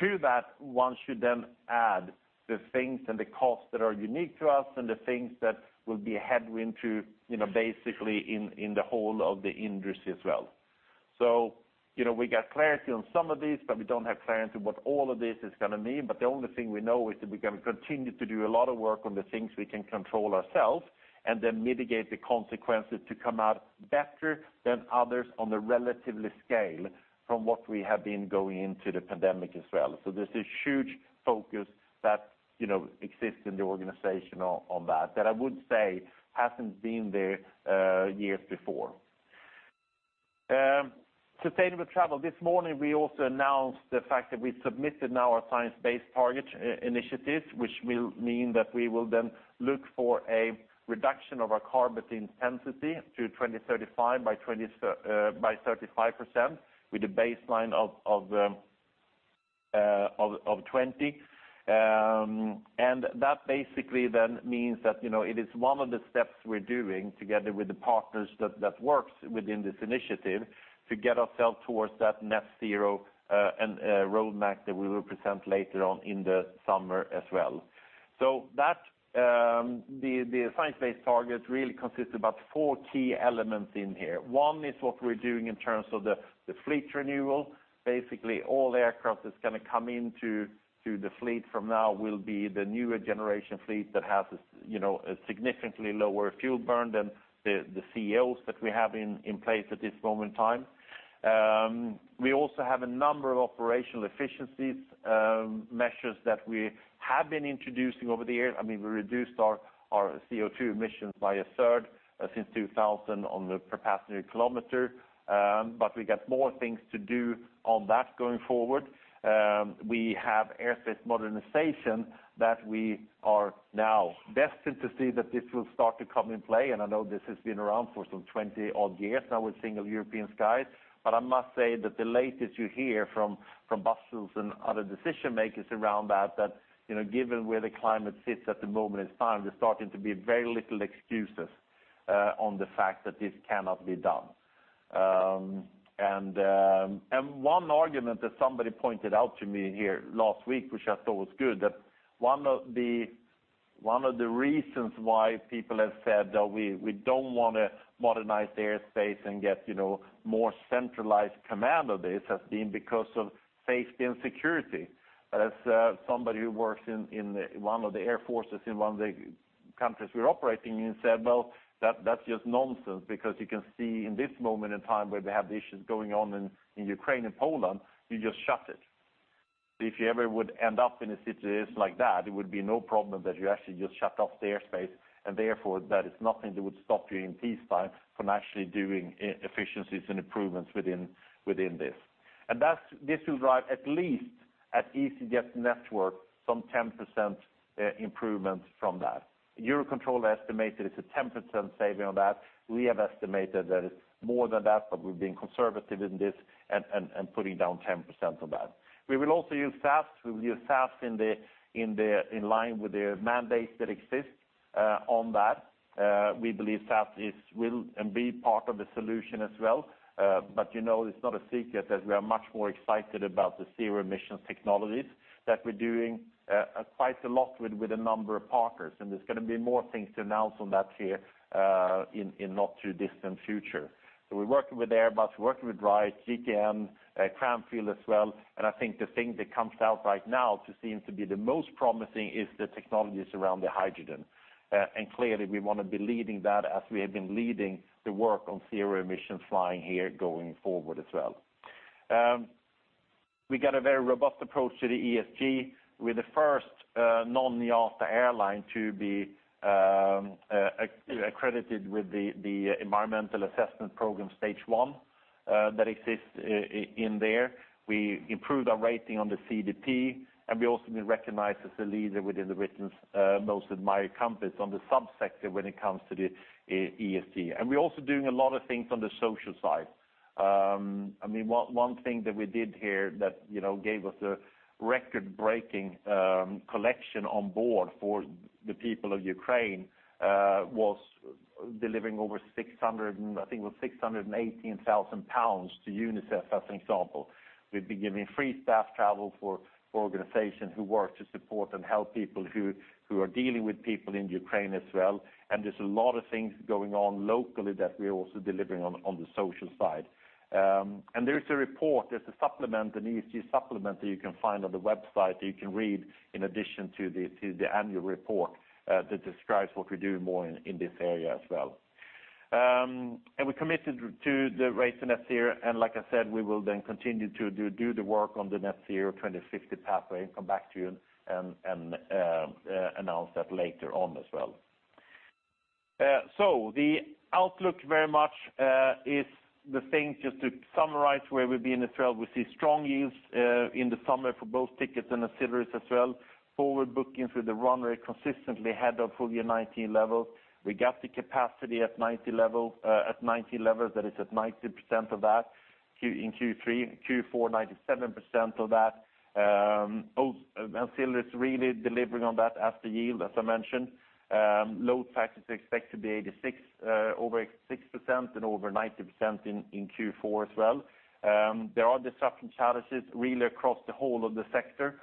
To that, one should then add the things and the costs that are unique to us and the things that will be a headwind to, you know, basically in the whole of the industry as well. You know, we get clarity on some of these, but we don't have clarity what all of this is going to mean. The only thing we know is that we're going to continue to do a lot of work on the things we can control ourselves and then mitigate the consequences to come out better than others on the relative scale from what we have been going into the pandemic as well. There's this huge focus that, you know, exists in the organization on that that I would say hasn't been there years before. Sustainable travel. This morning, we also announced the fact that we submitted now our Science Based Targets initiative, which will mean that we will then look for a reduction of our carbon intensity by 2035 by 35% with a baseline of 2019. That basically then means that, you know, it is one of the steps we're doing together with the partners that works within this initiative to get ourselves towards that net zero, and roadmap that we will present later on in the summer as well. The Science Based Targets really consists of about four key elements in here. One is what we're doing in terms of the fleet renewal. Basically, all aircraft that's gonna come into the fleet from now will be the newer generation fleet that has, you know, a significantly lower fuel burn than the CEOs that we have in place at this moment in time. We also have a number of operational efficiencies measures that we have been introducing over the years. I mean, we reduced our CO2 emissions by a third since 2000 on the per passenger kilometer, but we got more things to do on that going forward. We have airspace modernization that we are now destined to see that this will start to come in play. I know this has been around for some 20-odd years now with Single European Sky. I must say that the latest you hear from Brussels and other decision-makers around that, you know, given where the climate sits at the moment in time, there's starting to be very little excuses on the fact that this cannot be done. One argument that somebody pointed out to me here last week, which I thought was good, that one of the reasons why people have said that we don't wanna modernize the airspace and get, you know, more centralized command of this has been because of safety and security. As somebody who works in one of the air forces in one of the countries we're operating in said, "Well, that's just nonsense, because you can see in this moment in time where they have the issues going on in Ukraine and Poland, you just shut it." If you ever would end up in a situation like that, it would be no problem that you actually just shut off the airspace, and therefore that is nothing that would stop you in peacetime from actually doing efficiencies and improvements within this. This will drive at least at easyJet network some 10% improvements from that. Eurocontrol estimated it's a 10% saving on that. We have estimated that it's more than that, but we're being conservative in this and putting down 10% on that. We will also use SAF. We will use SAF in line with the mandates that exist on that. We believe SAF will be part of the solution as well. But you know, it's not a secret that we are much more excited about the zero emission technologies that we're doing quite a lot with a number of partners. There's gonna be more things to announce on that here in not too distant future. We're working with Airbus, we're working with Wright, GKN, Cranfield as well. I think the thing that comes out right now to seem to be the most promising is the technologies around the hydrogen. Clearly we wanna be leading that as we have been leading the work on zero emission flying here going forward as well. We got a very robust approach to the ESG. We're the first non-IATA airline to be accredited with the environmental assessment program stage one that exists in there. We improved our rating on the CDP, and we also been recognized as a leader within Britain's Most Admired Companies on the subsector when it comes to the ESG. We're also doing a lot of things on the social side. I mean, one thing that we did here that, you know, gave us a record-breaking collection on board for the people of Ukraine was delivering over 619,000 pounds to UNICEF, as an example. We've been giving free staff travel for organizations who work to support and help people who are dealing with people in Ukraine as well. There's a lot of things going on locally that we are also delivering on the social side. There's a supplement, an ESG supplement that you can find on the website that you can read in addition to the annual report that describes what we do more in this area as well. We're committed to the Race to Zero. Like I said, we will then continue to do the work on the net zero 2050 pathway and come back to you and announce that later on as well. The outlook very much is the thing, just to summarize where we've been as well. We see strong yields in the summer for both tickets and ancillary as well. Forward bookings with the runway consistently ahead of full year 2019 levels. We got the capacity at ninety levels, that is at 90% of that in Q3. Q4, 97% of that. Ancillary is really delivering on that as the yield, as I mentioned. Load factors expect to be 86 over 60% and over 90% in Q4 as well. There are disruption challenges really across the whole of the sector.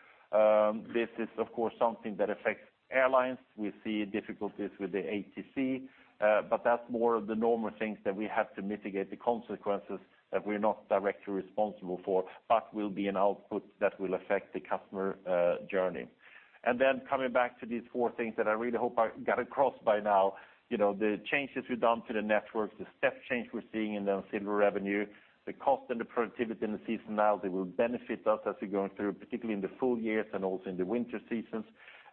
This is of course something that affects airlines. We see difficulties with the ATC, but that's more of the normal things that we have to mitigate the consequences that we're not directly responsible for, but will be an output that will affect the customer journey. Coming back to these four things that I really hope I got across by now, you know, the changes we've done to the networks, the step change we're seeing in the ancillary revenue, the cost and the productivity and the seasonalities will benefit us as we go through, particularly in the full years and also in the winter seasons.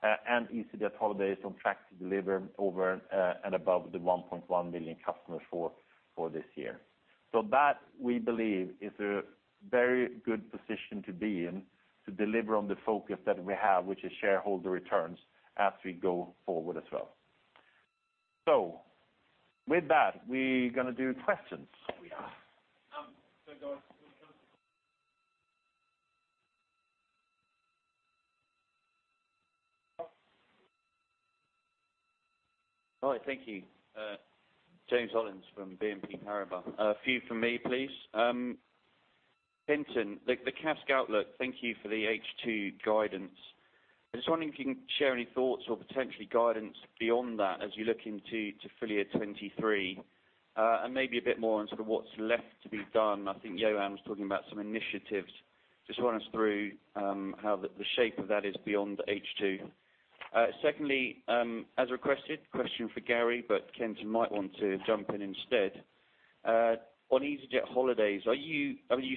easyJet Holidays on track to deliver over and above the 1.1 million customers for this year. that, we believe, is a very good position to be in to deliver on the focus that we have, which is shareholder returns as we go forward as well. With that, we're gonna do questions. We are. All right. Thank you. James Hollins from BNP Paribas. A few from me, please. Kenton, the CASK outlook, thank you for the H2 guidance. I was wondering if you can share any thoughts or potentially guidance beyond that as you look into the full year 2023, and maybe a bit more on sort of what's left to be done. I think Johan was talking about some initiatives. Just run us through how the shape of that is beyond H2. Secondly, as requested, question for Garry, but Kenton might want to jump in instead. On easyJet Holidays, you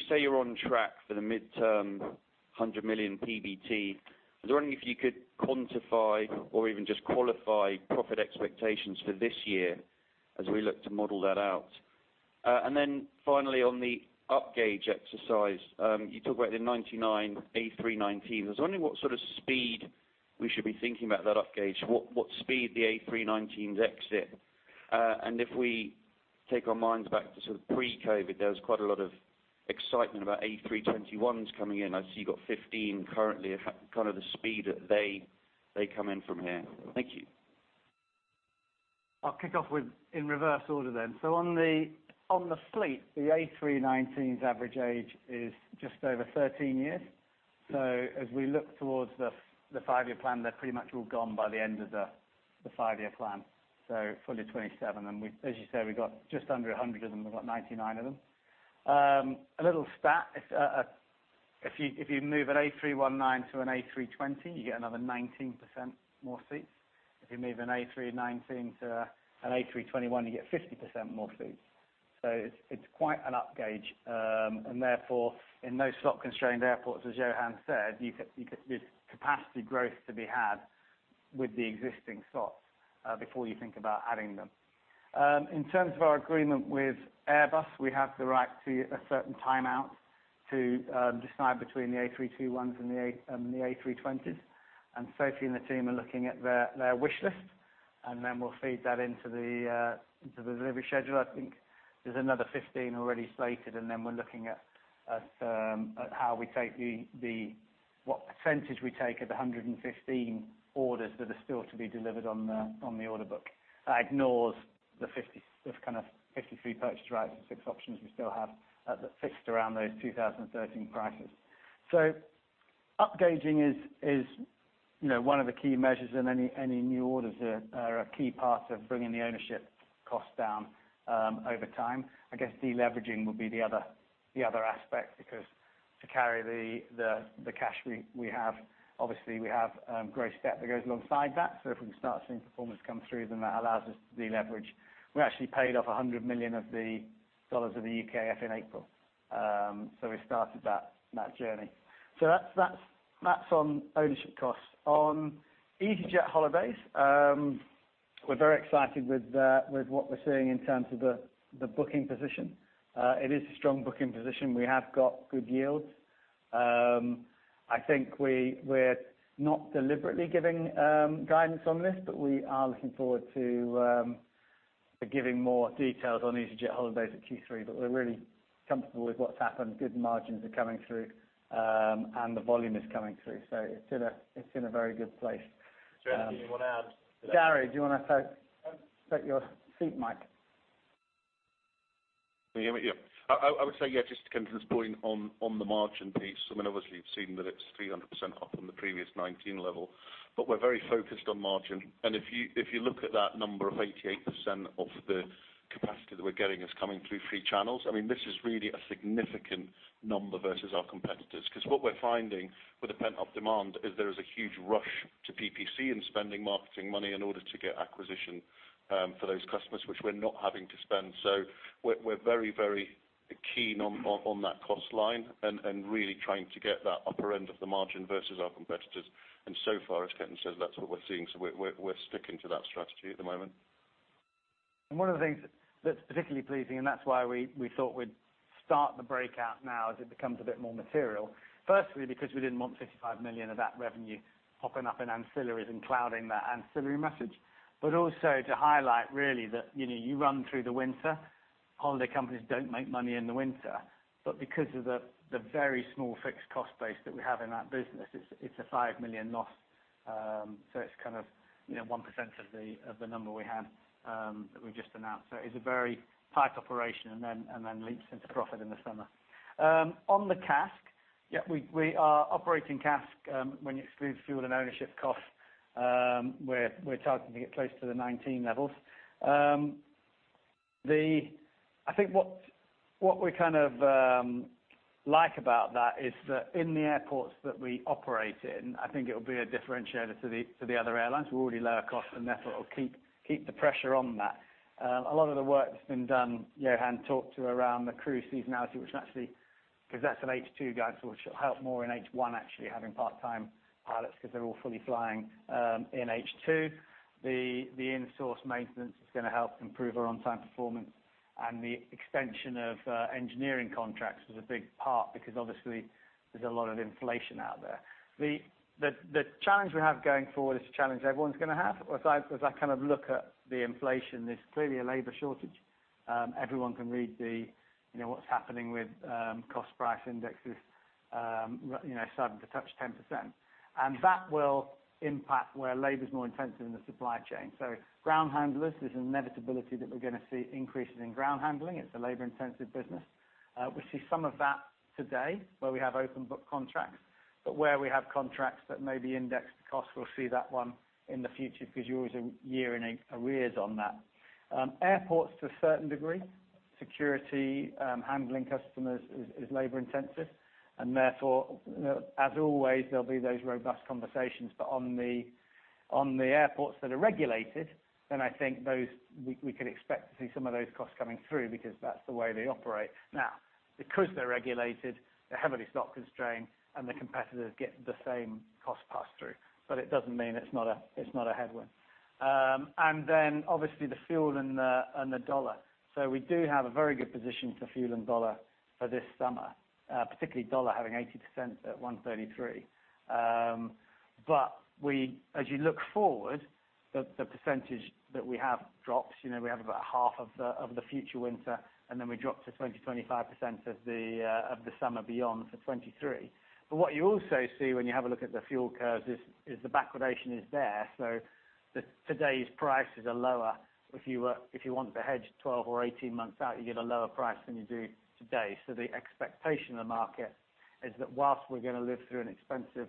say you're on track for the mid-term 100 million PBT. I was wondering if you could quantify or even just qualify profit expectations for this year as we look to model that out. Finally on the upgauge exercise, you talk about the 99 A319s. I was wondering what sort of speed we should be thinking about that upgauge. What speed the A319s exit. If we take our minds back to sort of pre-COVID, there was quite a lot of excitement about A321s coming in. I see you've got 15 currently. Kind of the speed that they come in from here. Thank you. I'll kick off with in reverse order then. On the fleet, the A319's average age is just over 13 years. As we look towards the five-year plan, they're pretty much all gone by the end of the five-year plan, so full year 2027. We've as you say, we've got just under a hundred of them. We've got 99 of them. A little stat. If you move an A319 to an A320, you get another 19% more seats. If you move an A319 to an A321, you get 50% more seats. It's quite an upgauge. Therefore, in those slot constrained airports, as Johan said, you get this capacity growth to be had with the existing slots before you think about adding them. In terms of our agreement with Airbus, we have the right to a certain timeout to decide between the A321s and the A320s. Sophie and the team are looking at their wish list, and then we'll feed that into the delivery schedule. I think there's another 15 already slated, and then we're looking at what percentage we take of the 115 orders that are still to be delivered on the order book. That ignores those kind of 53 purchase rights and six options we still have that fixed around those 2013 prices. Upgauging is you know one of the key measures in any new orders that are a key part of bringing the ownership costs down over time. I guess deleveraging will be the other aspect, because to carry the cash we have, obviously we have great debt that goes alongside that. If we can start seeing performance come through, then that allows us to deleverage. We actually paid off 100 million of the UKEF in April. We started that journey. That's on ownership costs. On easyJet Holidays, we're very excited with what we're seeing in terms of the booking position. It is a strong booking position. We have got good yields. I think we're not deliberately giving guidance on this, but we are looking forward to giving more details on easyJet Holidays at Q3, but we're really comfortable with what's happened. Good margins are coming through, and the volume is coming through. It's in a very good place. Is there anything you wanna add to that? Garry, do you wanna take your seat mic? Can you hear me? Yeah. I would say, yeah, just to Kevin's point on the margin piece, I mean, obviously you've seen that it's 300% up from the previous 2019 level, but we're very focused on margin. If you look at that number of 88% of the capacity that we're getting is coming through free channels, I mean, this is really a significant number versus our competitors. 'Cause what we're finding with the pent-up demand is there is a huge rush to PPC and spending marketing money in order to get acquisition for those customers, which we're not having to spend. We're very keen on that cost line and really trying to get that upper end of the margin versus our competitors. So far, as Kevin says, that's what we're seeing. We're sticking to that strategy at the moment. One of the things that's particularly pleasing, and that's why we thought we'd start the breakout now as it becomes a bit more material. Firstly, because we didn't want 55 million of that revenue popping up in ancillaries and clouding that ancillary message. Also to highlight really that, you know, you run through the winter, holiday companies don't make money in the winter. Because of the very small fixed cost base that we have in that business, it's a 5 million loss. It's kind of, you know, 1% of the number we had that we've just announced. It's a very tight operation and then leaps into profit in the summer. On the CASK, yeah, we are operating CASK when you exclude fuel and ownership costs, we're targeting it close to the 2019 levels. I think what we kind of like about that is that in the airports that we operate in, I think it'll be a differentiator to the other airlines. We're already lower cost and therefore keep the pressure on that. A lot of the work that's been done, Johan talked to around the crew seasonality, which actually, 'cause that's an H2 guide, which will help more in H1 actually having part-time pilots because they're all fully flying in H2. The in-source maintenance is gonna help improve our on-time performance. The extension of engineering contracts was a big part because obviously there's a lot of inflation out there. The challenge we have going forward is a challenge everyone's gonna have. As I kind of look at the inflation, there's clearly a labor shortage. Everyone can read the, you know, what's happening with cost price indexes, you know, starting to touch 10%. That will impact where labor's more intensive in the supply chain. Ground handlers, there's an inevitability that we're gonna see increases in ground handling. It's a labor-intensive business. We see some of that today where we have open book contracts, but where we have contracts that may be indexed costs, we'll see that one in the future because you're always a year in arrears on that. Airports to a certain degree, security, handling customers is labor-intensive. Therefore, you know, as always, there'll be those robust conversations. On the airports that are regulated, I think those we can expect to see some of those costs coming through because that's the way they operate. Because they're regulated, they're heavily slot constrained, and the competitors get the same cost pass through. It doesn't mean it's not a headwind. And then obviously the fuel and the dollar. We do have a very good position for fuel and dollar for this summer, particularly dollar having 80% at 1.33. As you look forward, the percentage that we have drops. We have about half of the future winter, and then we drop to 20%-25% of the summer beyond for 2023. What you also see when you have a look at the fuel curves is the backwardation is there. Today's prices are lower. If you want to hedge 12 or 18 months out, you get a lower price than you do today. The expectation in the market is that while we're gonna live through an expensive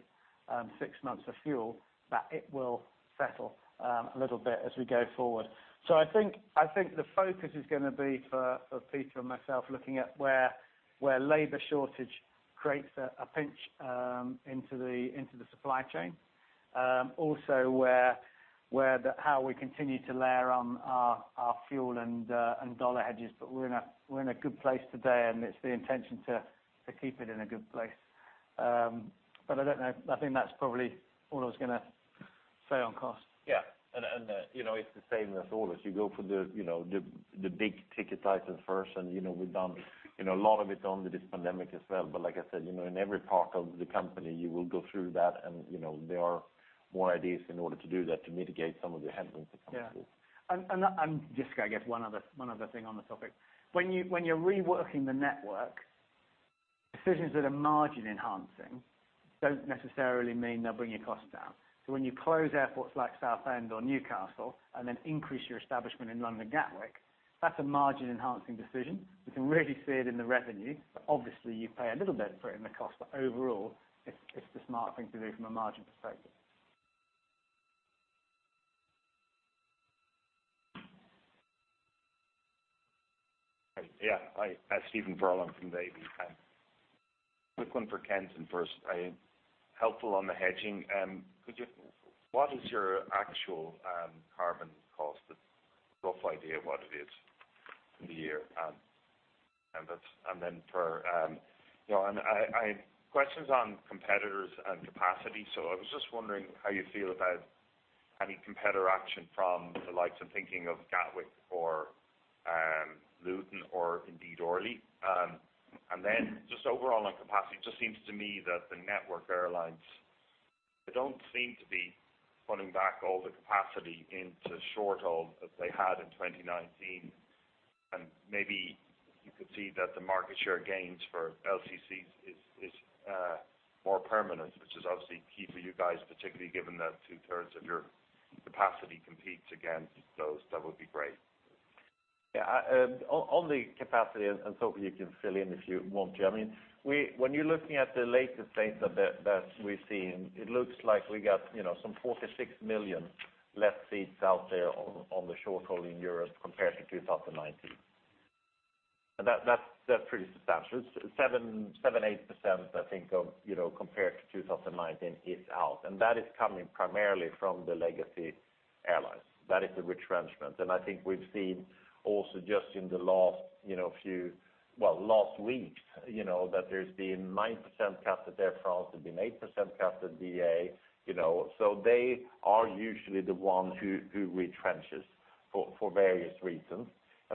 six months of fuel, that it will settle a little bit as we go forward. I think the focus is gonna be for Peter and myself looking at where labor shortage creates a pinch into the supply chain. Also, how we continue to layer on our fuel and dollar hedges. We're in a good place today, and it's the intention to keep it in a good place. I don't know. I think that's probably all I was gonna say on cost. Yeah. You know, it's the same with orders. You go for the, you know, the big ticket items first. You know, we've done, you know, a lot of it during this pandemic as well. Like I said, you know, in every part of the company, you will go through that. You know, there are more ideas in order to do that to mitigate some of the headwinds that come through. Yeah. Just, I guess one other thing on the topic. When you're reworking the network decisions that are margin-enhancing don't necessarily mean they'll bring your costs down. When you close airports like Southend or Newcastle and then increase your establishment in London Gatwick, that's a margin-enhancing decision. You can really see it in the revenue. Obviously, you pay a little bit for it in the cost, but overall, it's the smart thing to do from a margin perspective. Yeah. Hi, Stephen Furlong from Davy Group. Quick one for Kenton first. Helpful on the hedging. Could you what is your actual carbon cost? A rough idea of what it is in the year. And then for you know questions on competitors and capacity. I was just wondering how you feel about any competitor action from the likes of thinking of Gatwick or Luton or indeed Orly. And then just overall on capacity, it just seems to me that the network airlines, they don't seem to be putting back all the capacity into short-haul that they had in 2019. Maybe you could see that the market share gains for LCCs is more permanent, which is obviously key for you guys, particularly given that two-thirds of your capacity competes against those. That would be great. Yeah. I on the capacity, and Sophie, you can fill in if you want to. I mean, when you're looking at the latest data that we've seen, it looks like we got, you know, some 46 million less seats out there on the short haul in Europe compared to 2019. That's pretty substantial. 7.78%, I think of, you know, compared to 2019 is out, and that is coming primarily from the legacy airlines. That is the retrenchment. I think we've seen also just in the last, you know, few, well, last week, you know, that there's been 9% cut to Air France, there's been 8% cut to BA, you know. They are usually the ones who retrenches for various reasons.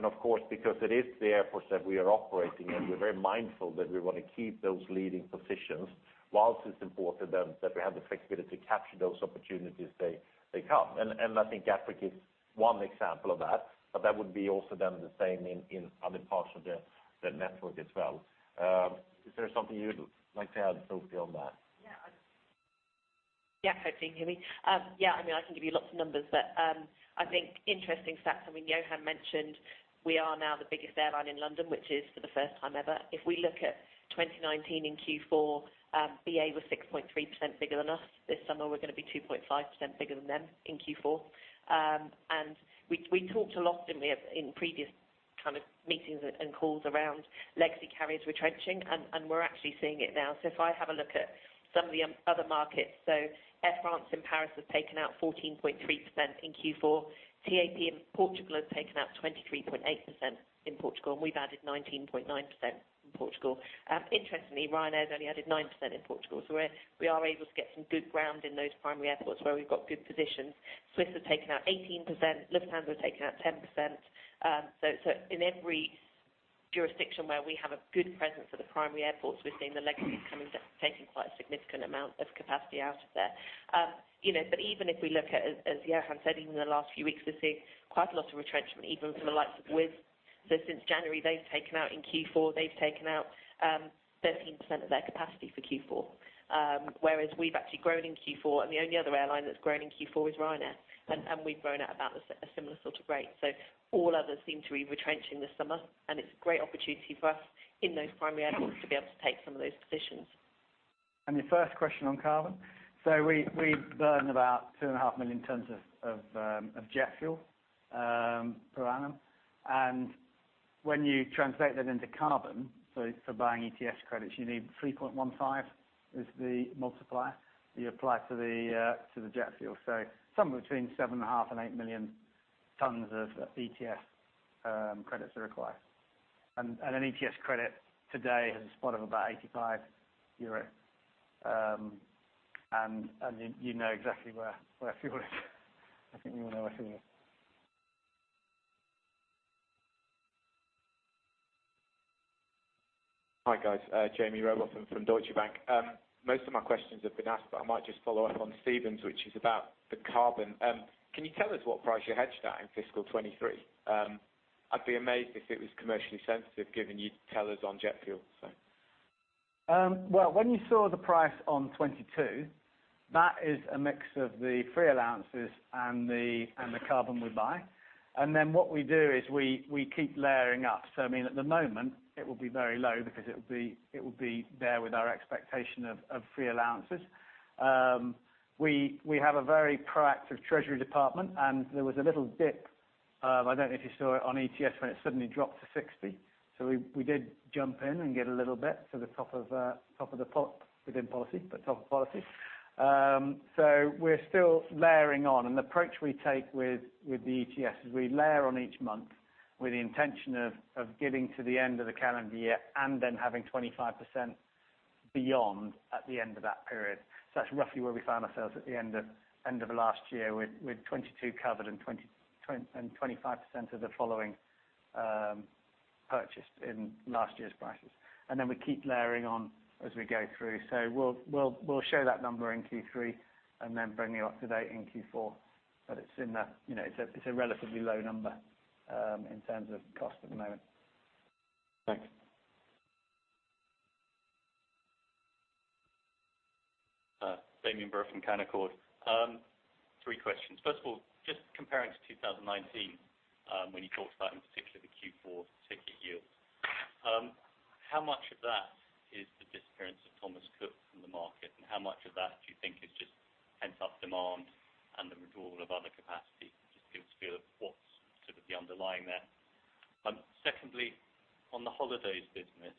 Of course, because it is the airports that we are operating in, we're very mindful that we want to keep those leading positions while it's important then that we have the flexibility to capture those opportunities, they come. I think Gatwick is one example of that, but that would be also then the same in other parts of the network as well. Is there something you'd like to add, Sophie, on that? Yeah. Yeah, hopefully you can hear me. Yeah, I mean, I can give you lots of numbers, but I think interesting stats, I mean, Johan mentioned we are now the biggest airline in London, which is for the first time ever. If we look at 2019 in Q4, BA was 6.3% bigger than us. This summer, we're gonna be 2.5% bigger than them in Q4. We talked a lot, didn't we, at in previous kind of meetings and calls around legacy carriers retrenching, and we're actually seeing it now. If I have a look at some of the other markets. Air France and Paris have taken out 14.3% in Q4. TAP in Portugal has taken out 23.8% in Portugal, and we've added 19.9% in Portugal. Interestingly, Ryanair has only added 9% in Portugal. We are able to get some good ground in those primary airports where we've got good positions. Swiss have taken out 18%. Lufthansa have taken out 10%. In every jurisdiction where we have a good presence at the primary airports, we're seeing the legacies coming, taking quite a significant amount of capacity out of there. You know, but even if we look at, as Johan said, even in the last few weeks, we're seeing quite a lot of retrenchment, even from the likes of Wizz. Since January, they've taken out in Q4 13% of their capacity for Q4. Whereas we've actually grown in Q4, and the only other airline that's grown in Q4 is Ryanair, and we've grown at about a similar sort of rate. All others seem to be retrenching this summer, and it's a great opportunity for us in those primary airports to be able to take some of those positions. Your first question on carbon. We burn about 2.5 million tons of jet fuel per annum. When you translate that into carbon, for buying ETS credits, you need 3.15 is the multiplier you apply to the jet fuel. Somewhere between 7.5 million-8 million tons of ETS credits are required. An ETS credit today has a spot of about 85 euro. You know exactly where fuel is. I think we all know where fuel is. Hi, guys. Jaime Rowbotham from Deutsche Bank. Most of my questions have been asked, but I might just follow up on Stephen's, which is about the carbon. Can you tell us what price you hedged at in fiscal 2023? I'd be amazed if it was commercially sensitive given you tell us on jet fuel, so. Well, when you saw the price on 22, that is a mix of the free allowances and the carbon we buy. What we do is we keep layering up. I mean, at the moment it will be very low because it will be there with our expectation of free allowances. We have a very proactive treasury department, and there was a little dip. I don't know if you saw it on ETS, when it suddenly dropped to 60. We did jump in and get a little bit to the top of policy. We're still layering on. The approach we take with the ETS is we layer on each month with the intention of getting to the end of the calendar year and then having 25% beyond at the end of that period. That's roughly where we found ourselves at the end of last year with 2022 covered and 25% of the following purchased in last year's prices. Then we keep layering on as we go through. We'll show that number in Q3 and then bring you up to date in Q4. It's in the, you know, it's a relatively low number in terms of cost at the moment. Thanks. Damian Brewer from Canaccord Genuity. Three questions. First of all, just comparing to 2019, when you talked about in particular the Q4 ticket yield. How much of that is the disappearance of Thomas Cook from the market, and how much of that do you think is just pent-up demand and the withdrawal of other capacity? Just give us a feel of what's sort of the underlying there. Secondly, on the holidays business,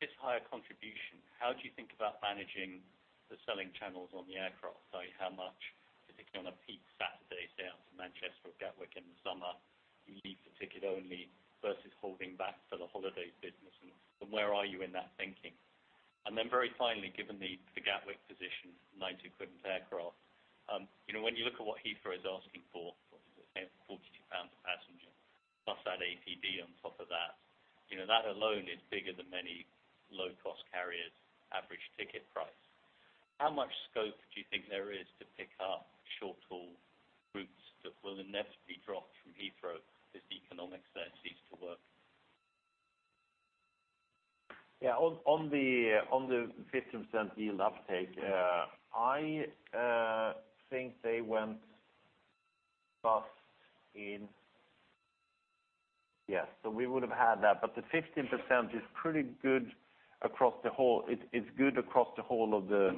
it's higher contribution. How do you think about managing the selling channels on the aircraft? Like, how much particularly on a peak Saturday sale to Manchester or Gatwick in the summer you leave for ticket only versus holding back for the holidays business and where are you in that thinking? Very finally, given the Gatwick position, 90 an aircraft, you know, when you look at what Heathrow is asking for, 42 pounds a passenger, plus that APD on top of that, you know, that alone is bigger than many low-cost carriers' average ticket price. How much scope do you think there is to pick up short-haul routes that will inevitably drop from Heathrow as the economics there cease to work? On the 15% yield uptake, I think they went past. Yes, we would have had that, but the 15% is pretty good across the whole. It's good across the whole of the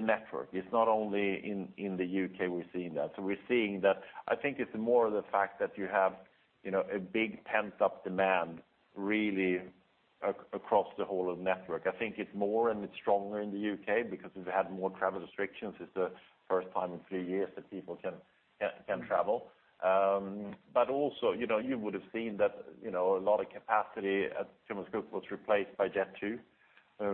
network. It's not only in the U.K. we're seeing that. We're seeing that. I think it's more of the fact that you have, you know, a big pent-up demand really across the whole of the network. I think it's more and it's stronger in the U.K. because we've had more travel restrictions. It's the first time in three years that people can travel. Also, you know, you would have seen that, you know, a lot of capacity at Thomas Cook was replaced by Jet2,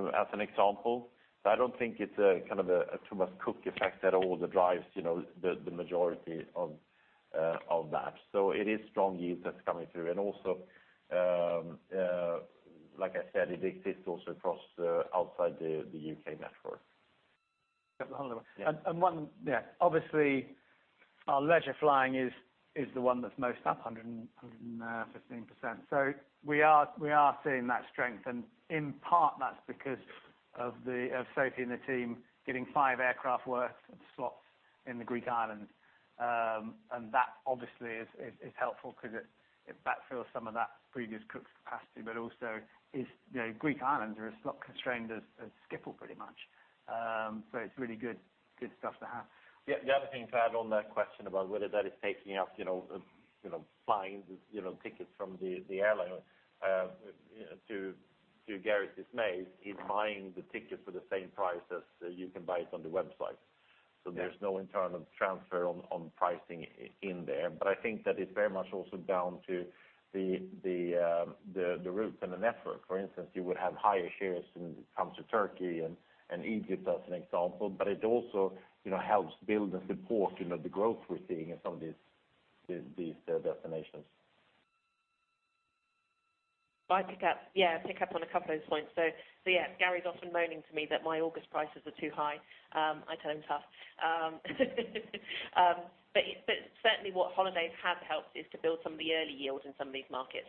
as an example. I don't think it's a kind of a Thomas Cook effect at all that drives you know the majority of that. It is strong yield that's coming through. Also, like I said, it exists also across outside the U.K network. One yeah. Obviously our leisure flying is the one that's most up 115%. We are seeing that strength. In part that's because of Sophie and the team getting five aircraft worth of slots in the Greek islands. That obviously is helpful because it backfills some of that previous Thomas Cook's capacity, but also, you know, Greek islands are as slot-constrained as Schiphol pretty much. It's really good stuff to have. Yeah. The other thing to add on that question about whether that is taking up, you know, flying, you know, tickets from the airline, to Garry's dismay, he's buying the tickets for the same price as you can buy it on the website. Yeah. There's no internal transfer on pricing in there. I think that it's very much also down to the route and the network. For instance, you would have higher shares when it comes to Turkey and Egypt as an example. It also, you know, helps build and support, you know, the growth we're seeing in some of these destinations. I pick up on a couple of those points, yeah. Yeah, Garry's often moaning to me that my August prices are too high. I tell him, "Tough." Certainly what holidays have helped is to build some of the early yield in some of these markets.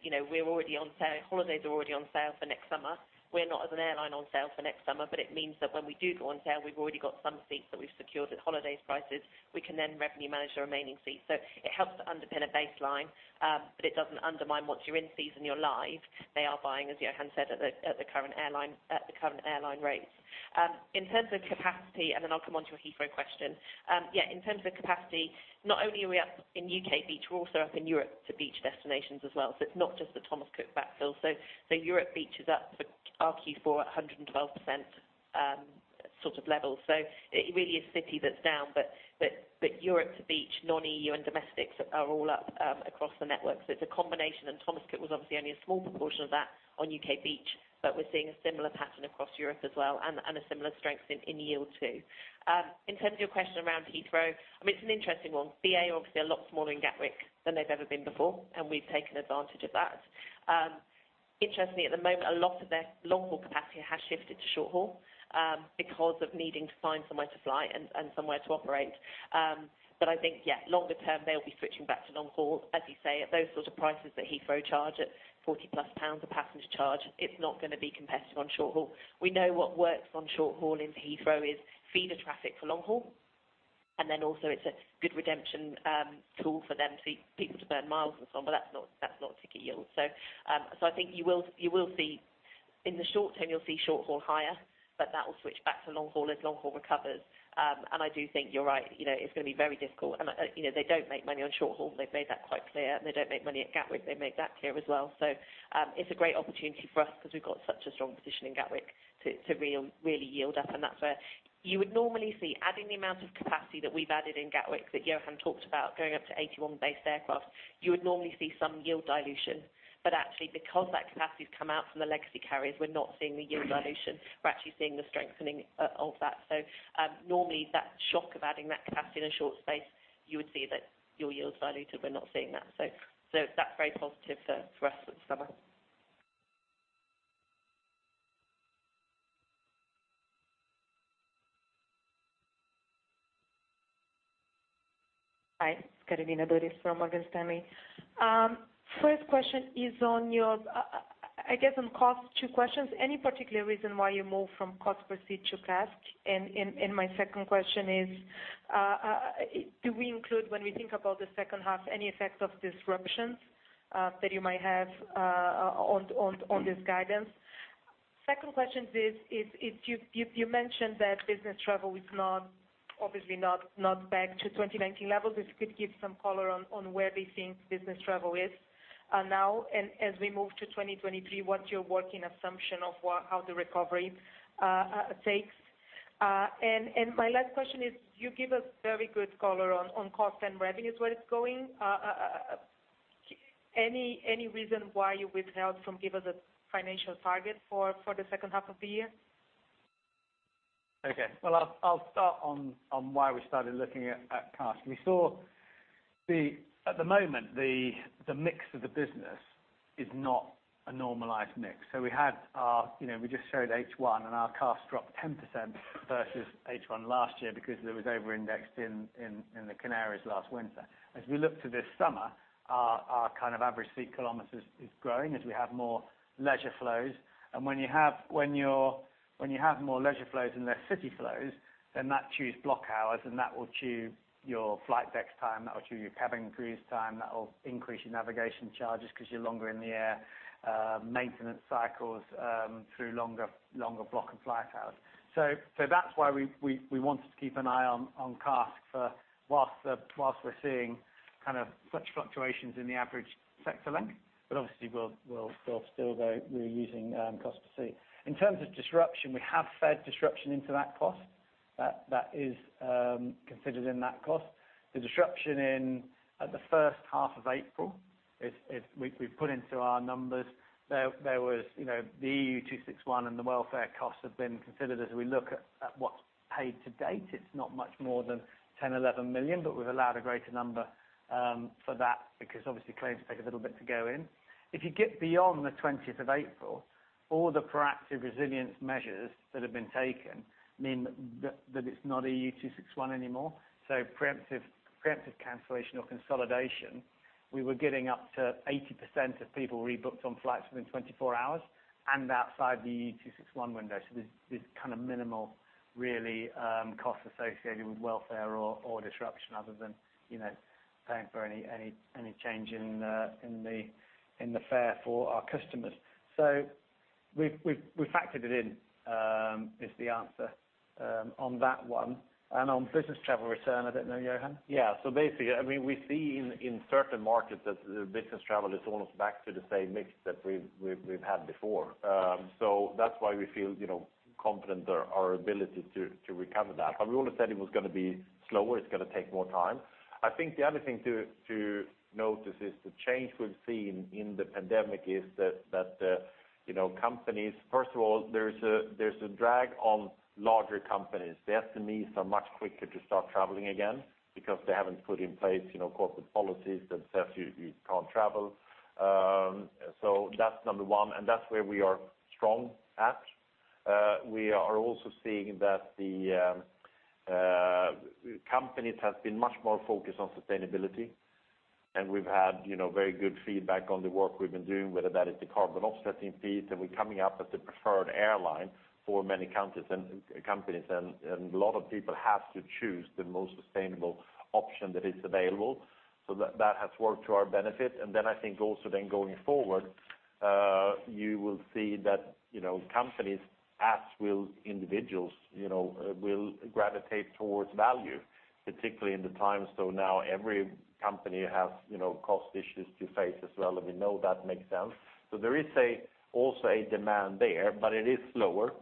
You know, we're already on sale, holidays are already on sale for next summer. We're not as an airline on sale for next summer, but it means that when we do go on sale, we've already got some seats that we've secured at holidays prices. We can then revenue manage the remaining seats. It helps to underpin a baseline, but it doesn't undermine once you're in season, you're live, they are buying, as Johan said, at the current airline rates. In terms of capacity, and then I'll come on to your Heathrow question. Yeah, in terms of capacity, not only are we up in U.K beach, we're also up in Europe to beach destinations as well. It's not just the Thomas Cook backfill. Europe beach is up for our Q4 at 112%, sort of level. It really is city that's down, but Europe to beach, non-EU and domestics are all up, across the network. It's a combination, and Thomas Cook was obviously only a small proportion of that on U.K beach, but we're seeing a similar pattern across Europe as well and a similar strength in yield too. In terms of your question around Heathrow, I mean, it's an interesting one. BA obviously are a lot smaller in Gatwick than they've ever been before, and we've taken advantage of that. Interestingly, at the moment, a lot of their long-haul capacity has shifted to short-haul, because of needing to find somewhere to fly and somewhere to operate. I think, yeah, longer term, they'll be switching back to long-haul. As you say, at those sort of prices that Heathrow charge at 40+ pounds a passenger charge, it's not gonna be competitive on short-haul. We know what works on short-haul into Heathrow is feeder traffic for long-haul, and then also it's a good redemption tool for them to, people to burn miles and so on. That's not ticket yield. I think you will see in the short term you'll see short-haul higher, but that will switch back to long-haul as long-haul recovers. I do think you're right, you know, it's gonna be very difficult. You know, they don't make money on short-haul. They've made that quite clear, and they don't make money at Gatwick. They make that clear as well. It's a great opportunity for us because we've got such a strong position in Gatwick to really yield up, and that's where you would normally see, adding the amount of capacity that we've added in Gatwick that Johan talked about going up to 81 based aircraft, you would normally see some yield dilution. Actually, because that capacity's come out from the legacy carriers, we're not seeing the yield dilution. We're actually seeing the strengthening of that. Normally that shock of adding that capacity in a short space, you would see that your yield's diluted. We're not seeing that. That's very positive for us for the summer. Hi, it's Carolina Dores from Morgan Stanley. First question is on your cost, two questions. Any particular reason why you move from cost per seat to CASK? My second question is, do we include when we think about the second half, any effect of disruptions that you might have on this guidance? Second question is, you mentioned that business travel is not, obviously, back to 2019 levels. If you could give some color on where we think business travel is now and as we move to 2023, what's your working assumption of how the recovery takes? My last question is you give us very good color on cost and revenues, where it's going. Any reason why you withheld from giving us a financial target for the second half of the year? Well, I'll start on why we started looking at CASK. At the moment, the mix of the business is not a normalized mix. We had our, you know, we just showed H1, and our CASK dropped 10% versus H1 last year because there was over-indexed in the Canaries last winter. As we look to this summer, our kind of average seat kilometers is growing as we have more leisure flows. When you have more leisure flows and less city flows, then that chews block hours, and that will chew your flight deck's time, that will chew your cabin crew's time, that will increase your navigation charges because you're longer in the air, maintenance cycles through longer block and flight hours. That's why we wanted to keep an eye on CASK for while we're seeing kind of such fluctuations in the average sector length. Obviously we'll still we're using cost per seat. In terms of disruption, we have fed disruption into that cost. That is considered in that cost. The disruption in the first half of April is we've put into our numbers. There was, you know, the EU261 and the welfare costs have been considered as we look at what's paid to date. It's not much more than 10 million-11 million, but we've allowed a greater number for that because obviously claims take a little bit to go in. If you get beyond the twentieth of April, all the proactive resilience measures that have been taken mean that it's not EU261 anymore. Preemptive cancellation or consolidation, we were getting up to 80% of people rebooked on flights within 24 hours and outside the EU261 window. There's kind of minimal really cost associated with welfare or disruption other than you know paying for any change in the fare for our customers. We've factored it in is the answer on that one. On business travel return, I don't know, Johan. Yeah. Basically, I mean, we see in certain markets that the business travel is almost back to the same mix that we've had before. That's why we feel, you know, confident our ability to recover that. But we always said it was gonna be slower, it's gonna take more time. I think the other thing to notice is the change we've seen in the pandemic is that you know, companies. First of all, there's a drag on larger companies. The SMEs are much quicker to start traveling again because they haven't put in place, you know, corporate policies that says you can't travel. That's number one, and that's where we are strong at. We are also seeing that the companies have been much more focused on sustainability, and we've had, you know, very good feedback on the work we've been doing, whether that is the carbon offsetting fees, and we're coming up as the preferred airline for many countries and companies. A lot of people have to choose the most sustainable option that is available. That has worked to our benefit. I think also then going forward, you will see that, you know, companies as well as individuals, you know, will gravitate towards value, particularly in the times. Now every company has, you know, cost issues to face as well, and we know that makes sense. There is also a demand there, but it is slower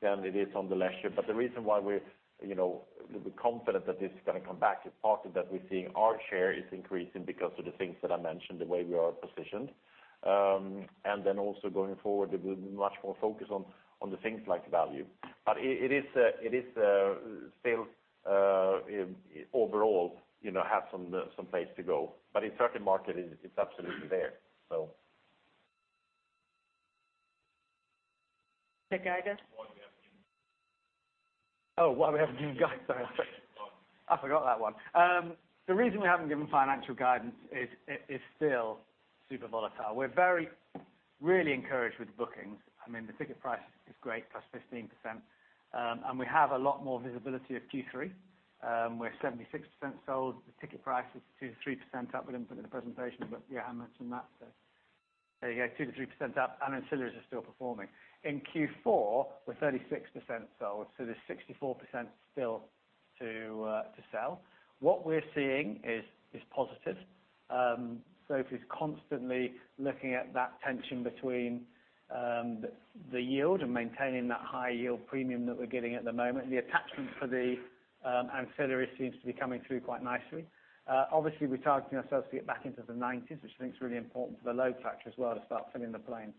than it is on the leisure. The reason why we're, you know, we're confident that this is gonna come back is partly that we're seeing our share is increasing because of the things that I mentioned, the way we are positioned. Going forward, there will be much more focus on the things like value. It is still overall, you know, have some place to go. In certain market it's absolutely there, so. Oh, why we haven't given guidance. I forgot that one. The reason we haven't given financial guidance is it is still super volatile. We're very, really encouraged with bookings. I mean, the ticket price is great, plus 15%. We have a lot more visibility of Q3. We're 76% sold. The ticket price is 2%-3% up. We didn't put it in the presentation, but yeah, I mentioned that. There you go, 2%-3% up, and ancillaries are still performing. In Q4, we're 36% sold, so there's 64% still to sell. What we're seeing is positive. It is constantly looking at that tension between the yield and maintaining that high yield premium that we're getting at the moment. The attachment for the ancillary seems to be coming through quite nicely. Obviously we're targeting ourselves to get back into the 90s, which I think is really important for the load factor as well to start filling the plane.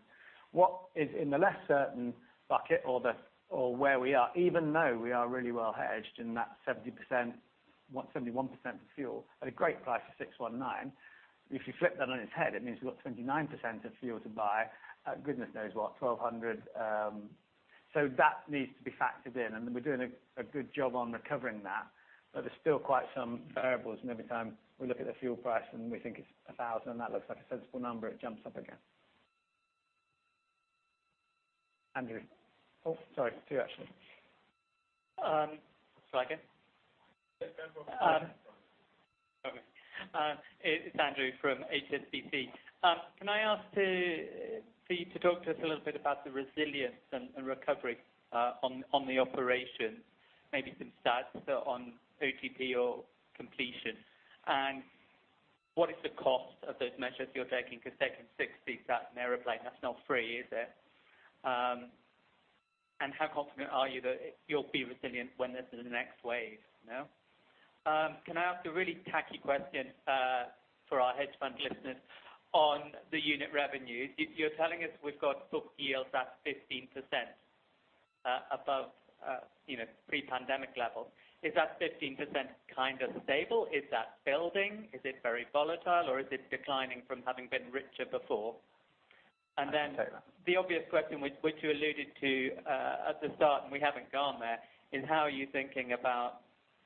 What is in the less certain bucket or where we are, even though we are really well hedged in that 71% of fuel at a great price of $619. If you flip that on its head, it means you've got 29% of fuel to buy at goodness knows what, $1,200. So that needs to be factored in, and we're doing a good job on recovering that. But there's still quite some variables. Every time we look at the fuel price, and we think it's $1,000, that looks like a sensible number, it jumps up again. Andrew. Oh, sorry, two actually. It's Andrew from HSBC. Can I ask you to talk to us a little bit about the resilience and recovery on the operation? Maybe some stats on OTP or completion. What is the cost of those measures you're taking? Because taking 60 seats in an airplane, that's not free, is it? How confident are you that you'll be resilient when there's the next wave, you know? Can I ask a really tacky question for our hedge fund listeners on the unit revenue? You're telling us we've got book yields at 15% above, you know, pre-pandemic levels. Is that 15% kind of stable? Is that building? Is it very volatile, or is it declining from having been richer before? I can take that. The obvious question which you alluded to at the start, and we haven't gone there, is how are you thinking about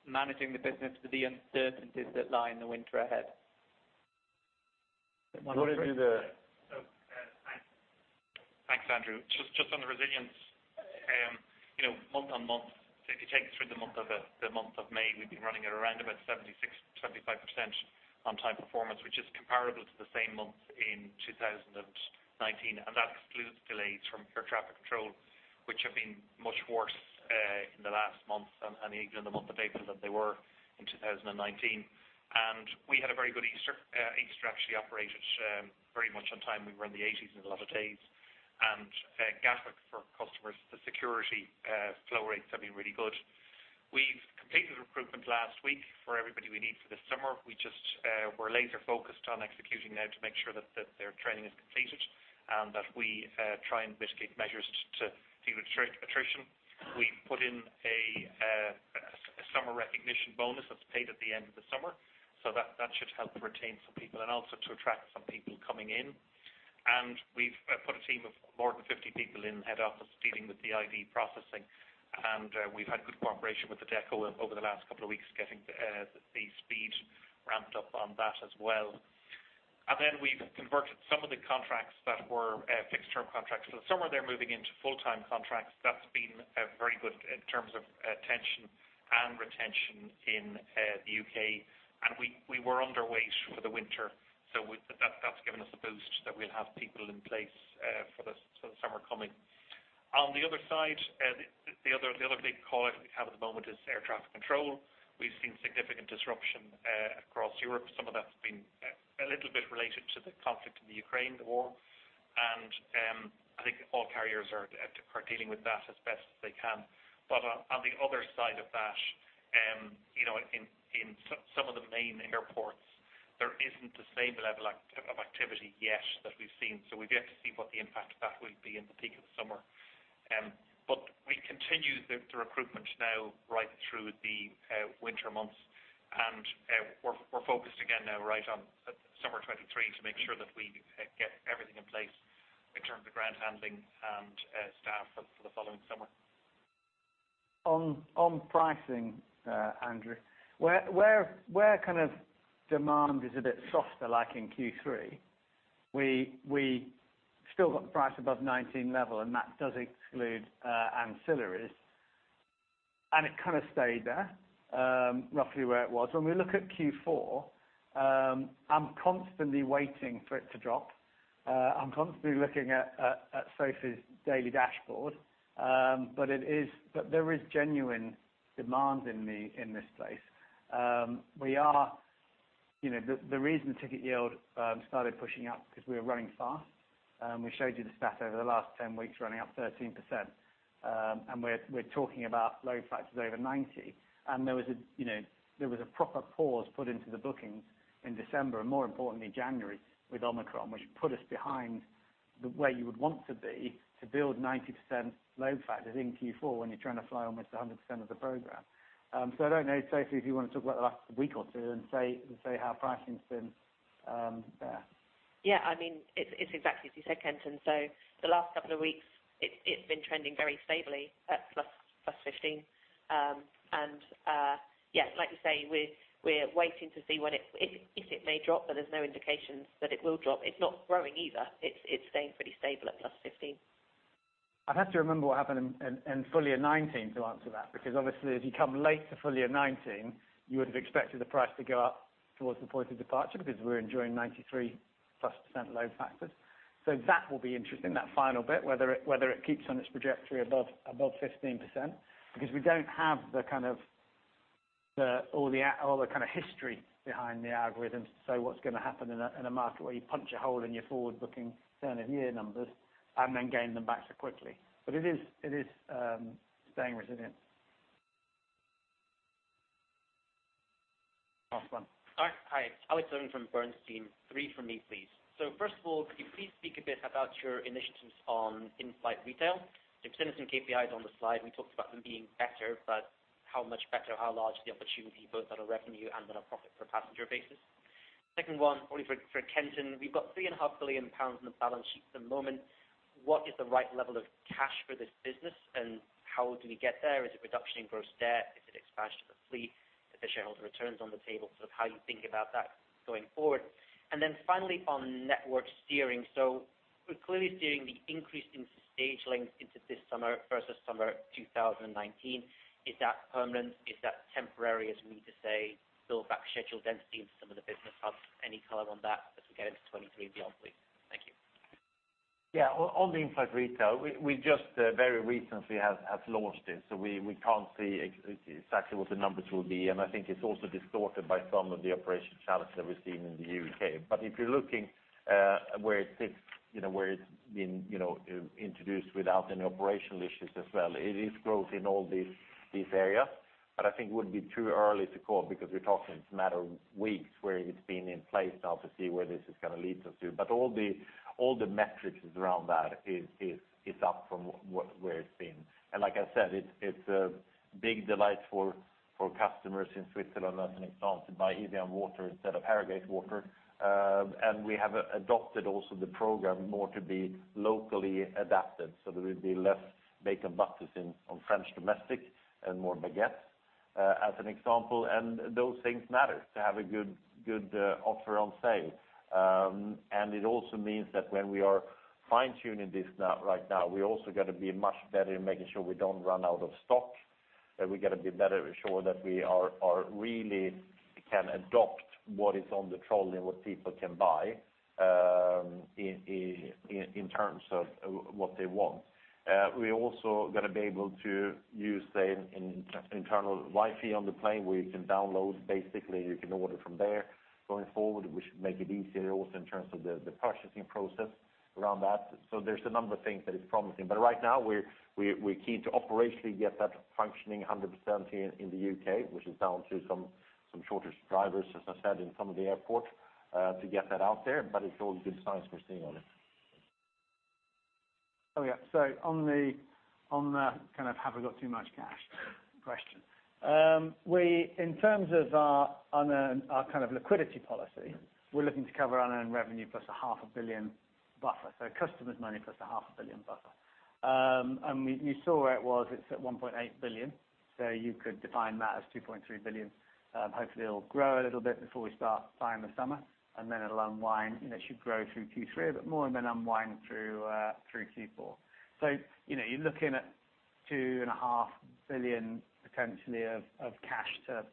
managing the business for the uncertainties that lie in the winter ahead? Why don't you do the- Thanks, Andrew. Just on the resilience, you know, month-on-month, if you take us through the month of May, we've been running at around about 76.5% on time performance, which is comparable to the same month in 2019, and that excludes delays from air traffic control, which have been much worse in the last month and even in the month of April than they were in 2019. We had a very good Easter. Easter actually operated very much on time. We were in the 80s in a lot of days. Gatwick for customers, the security flow rates have been really good. We've completed recruitment last week for everybody we need for this summer. We're laser focused on executing now to make sure that their training is completed and that we try and implement measures to deal with attrition. We've put in a summer recognition bonus that's paid at the end of the summer. That should help retain some people and also to attract some people coming in. We've put a team of more than 50 people in head office dealing with the ID processing. We've had good cooperation with the Adecco over the last couple of weeks, getting the speed ramped up on that as well. We've converted some of the contracts that were fixed-term contracts. Some are moving into full-time contracts. That's been very good in terms of tenure and retention in the U.K. We were underweight for the winter, so with that's given us a boost that we'll have people in place for the summer coming. On the other side, the big call I have at the moment is air traffic control. We've seen significant disruption across Europe. Some of that's been a little bit related to the war in Ukraine, and I think all carriers are dealing with that as best as they can. On the other side of that, you know, in some of the main airports, there isn't the same level of activity yet that we've seen. We've yet to see what the impact of that will be in the peak of the summer. We continue the recruitment now right through the winter months. We're focused again now right on summer 2023 to make sure that we get everything in place in terms of ground handling and staff for the following summer. On pricing, Andrew, where kind of demand is a bit softer, like in Q3, we still got the price above 19 level, and that does exclude ancillaries, and it kind of stayed there, roughly where it was. When we look at Q4, I'm constantly waiting for it to drop. I'm constantly looking at Sophie's daily dashboard. But there is genuine demand in this space. We are, you know, the reason ticket yield started pushing up because we were running fast. We showed you the stat over the last 10 weeks running up 13%. We're talking about load factors over 90. There was a proper pause put into the bookings in December and more importantly, January with Omicron, which put us behind the way you would want to be to build 90% load factors in Q4 when you're trying to fly almost 100% of the program. I don't know. Sophie, if you want to talk about the last week or two and say how pricing's been. Yeah, I mean, it's exactly as you said, Kenton. The last couple of weeks it's been trending very stably at +15%. Yeah, like you say, we're waiting to see when it may drop, but there's no indications that it will drop. It's not growing either. It's staying pretty stable at +15%. I'd have to remember what happened in full year 2019 to answer that, because obviously as you come late to full year 2019, you would have expected the price to go up towards the point of departure because we're enjoying +93% load factors. That will be interesting, that final bit, whether it keeps on its trajectory above 15%, because we don't have all the kind of history behind the algorithm. What's going to happen in a market where you punch a hole in your forward-looking turn of year numbers and then gain them back so quickly. It is staying resilient. Last one. All right. Hi, Alex Irving from Bernstein. Three from me, please. First of all, could you please speak a bit about your initiatives on in-flight retail? You've sent us some KPIs on the slide, and we talked about them being better, but how much better, how large the opportunity, both on a revenue and on a profit per passenger basis? Second one, only for Kenton Jarvis. We've got 3.5 billion pounds In the balance sheet at the moment. What is the right level of cash for this business, and how do we get there? Is it reduction in gross debt? Is it expansion of the fleet? If shareholder returns are on the table, sort of how you think about that going forward. Then finally, on network steering. We're clearly steering the increase in stage length into this summer versus summer 2019. Is that permanent? Is that temporary as we need to say, build back schedule density into some of the business hubs? Any color on that as we go into 2023 and beyond, please. Thank you. Yeah. On the in-flight retail, we just very recently have launched it, so we can't see exactly what the numbers will be. I think it's also distorted by some of the operation challenges that we're seeing in the U.K. If you're looking, where it fits, you know, where it's been, you know, introduced without any operational issues as well, it is growth in all these areas. I think it would be too early to call because we're talking it's a matter of weeks where it's been in place now to see where this is gonna lead us to. All the metrics around that is up from what, where it's been. Like I said, it's a big delight for customers in Switzerland, as an example, to buy Evian water instead of Harrogate water. We have adopted also the program more to be locally adapted, so there will be less bacon butties in, on French domestic and more baguettes, as an example. Those things matter to have a good offer on sale. It also means that when we are fine-tuning this now, right now, we also gotta be much better in making sure we don't run out of stock, that we gotta be better sure that we are really can adopt what is on the trolley and what people can buy, in terms of what they want. We're also gonna be able to use the internal Wi-Fi on the plane where you can download. Basically, you can order from there going forward, which should make it easier also in terms of the purchasing process around that. There's a number of things that is promising. Right now we're keen to operationally get that functioning 100% in the U.K, which is down to some shortage of drivers, as I said, in some of the airports to get that out there. It's all good signs we're seeing on it. Oh, yeah. On the kind of have we got too much cash question. In terms of our unearned, kind of liquidity policy- Mm-hmm. We're looking to cover unearned revenue plus GBP half a billion buffer, so customers' money plus 500 million buffer. We, you saw where it was. It's at 1.8 billion, so you could define that as 2.3 billion. Hopefully it'll grow a little bit before we start flying the summer, and then it'll unwind. You know, it should grow through Q3 a bit more and then unwind through Q4. You know, you're looking at 2.5 billion potentially of cash to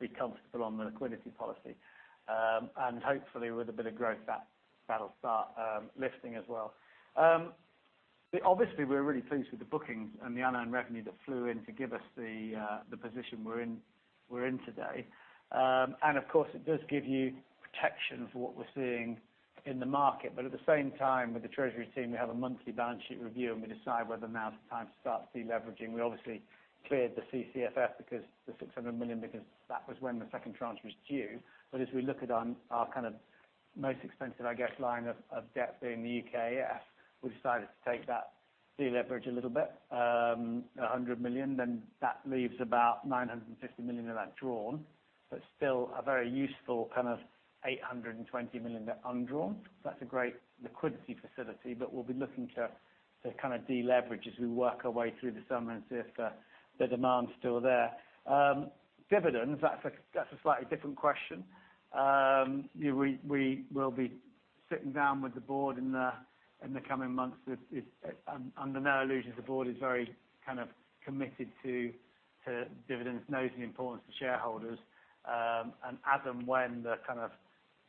be comfortable on the liquidity policy. Hopefully with a bit of growth that'll start lifting as well. Obviously we're really pleased with the bookings and the unearned revenue that flew in to give us the position we're in today. Of course it does give you protection for what we're seeing in the market. At the same time, with the treasury team, we have a monthly balance sheet review, and we decide whether now is the time to start deleveraging. We obviously cleared the CCFF because the 600 million, because that was when the second tranche was due. As we look at our kind of most expensive, I guess, line of debt being the UKEF, we decided to take that deleverage a little bit, a 100 million, then that leaves about 950 million of that drawn, but still a very useful kind of 820 million undrawn. That's a great liquidity facility, but we'll be looking to kind of deleverage as we work our way through the summer and see if the demand's still there. Dividends, that's a slightly different question. You know, we will be sitting down with the board in the coming months. It's under no illusions the board is very kind of committed to dividends, knows the importance to shareholders. As and when the kind of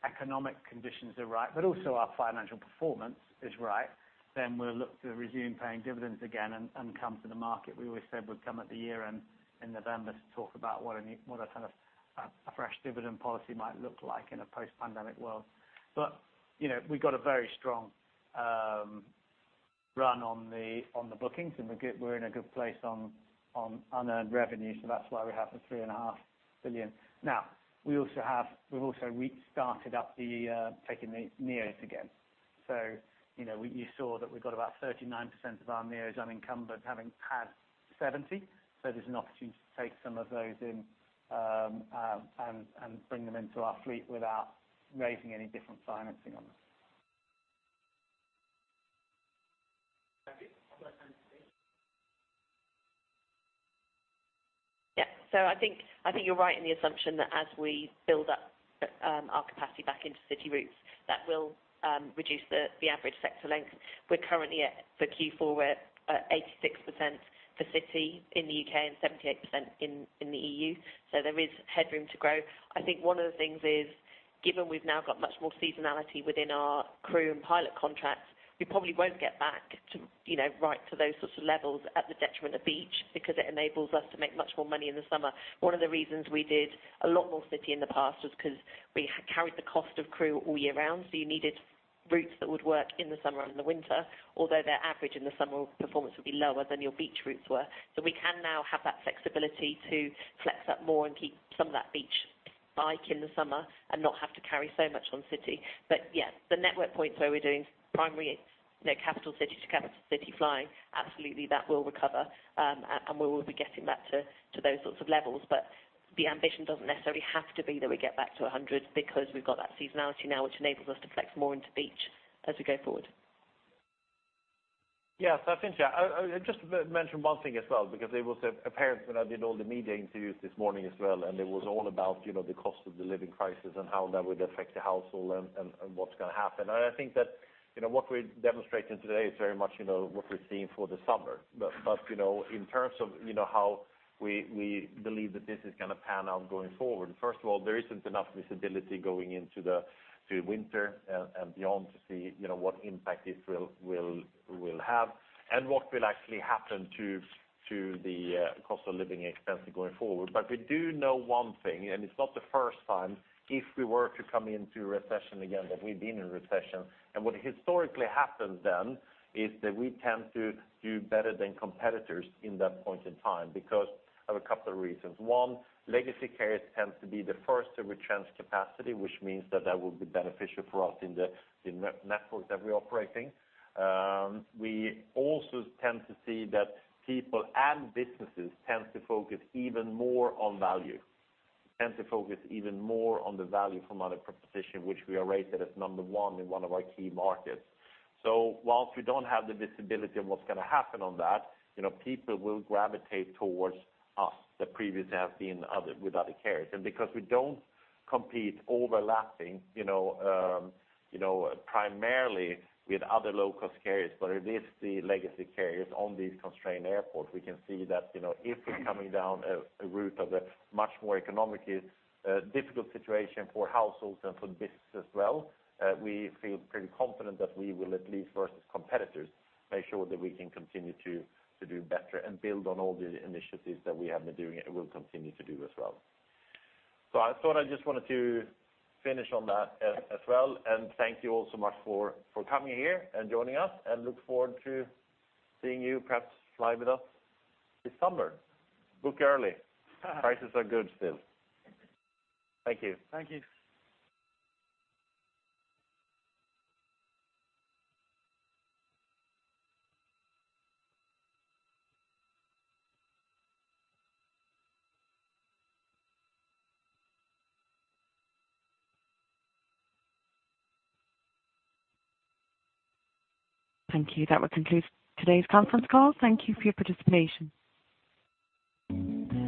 economic conditions are right, but also our financial performance is right, then we'll look to resume paying dividends again and come to the market. We always said we'd come at the year-end in November to talk about what a kind of fresh dividend policy might look like in a post-pandemic world. You know, we've got a very strong run on the bookings, and we're in a good place on unearned revenue, so that's why we have the 3.5 billion. Now, we also have, we've also restarted taking the NEOs again. You know, you saw that we've got about 39% of our NEOs unencumbered having had 70. There's an opportunity to take some of those in and bring them into our fleet without raising any different financing on them. Thank you. Yeah. I think you're right in the assumption that as we build up our capacity back into city routes, that will reduce the average sector length. We're currently at, for Q4, we're at 86% for city in the U.K and 78% in the EU. There is headroom to grow. I think one of the things is, given we've now got much more seasonality within our crew and pilot contracts, we probably won't get back to, you know, right to those sorts of levels at the detriment of beach, because it enables us to make much more money in the summer. One of the reasons we did a lot more city in the past was 'cause we carried the cost of crew all year round, so you needed Routes that would work in the summer and the winter. Although their average in the summer performance would be lower than your beach routes were. We can now have that flexibility to flex up more and keep some of that beach break in the summer and not have to carry so much on city. Yes, the network points where we're doing primary, you know, capital city to capital city flying, absolutely that will recover. We will be getting back to those sorts of levels. The ambition doesn't necessarily have to be that we get back to a hundred because we've got that seasonality now, which enables us to flex more into beach as we go forward. I just mention one thing as well, because it was apparent when I did all the media interviews this morning as well, and it was all about, you know, the cost-of-living crisis and how that would affect the household and what's gonna happen. I think that, you know, what we're demonstrating today is very much, you know, what we're seeing for the summer. In terms of, you know, how we believe that this is gonna pan out going forward, first of all, there isn't enough visibility going into the winter and beyond to see, you know, what impact it will have and what will actually happen to the cost-of-living expenses going forward. We do know one thing, and it's not the first time if we were to come into recession again, that we've been in recession. What historically happens then is that we tend to do better than competitors in that point in time because of a couple of reasons. One, legacy carriers tend to be the first to retrench capacity, which means that that will be beneficial for us in the networks that we're operating. We also tend to see that people and businesses tend to focus even more on value, tend to focus even more on the value from our proposition, which we are rated as number one in one of our key markets. Whilst we don't have the visibility of what's gonna happen on that, you know, people will gravitate towards us that previously have been with other carriers. Because we don't compete overlapping, you know, primarily with other low-cost carriers, but it is the legacy carriers on these constrained airports. We can see that, you know, if we're coming down a route of a much more economically difficult situation for households and for business as well, we feel pretty confident that we will at least versus competitors, make sure that we can continue to do better and build on all the initiatives that we have been doing and will continue to do as well. I thought I just wanted to finish on that as well, and thank you all so much for coming here and joining us and look forward to seeing you perhaps fly with us this summer. Book early. Prices are good still. Thank you. Thank you. Thank you. That will conclude today's conference call. Thank you for your participation.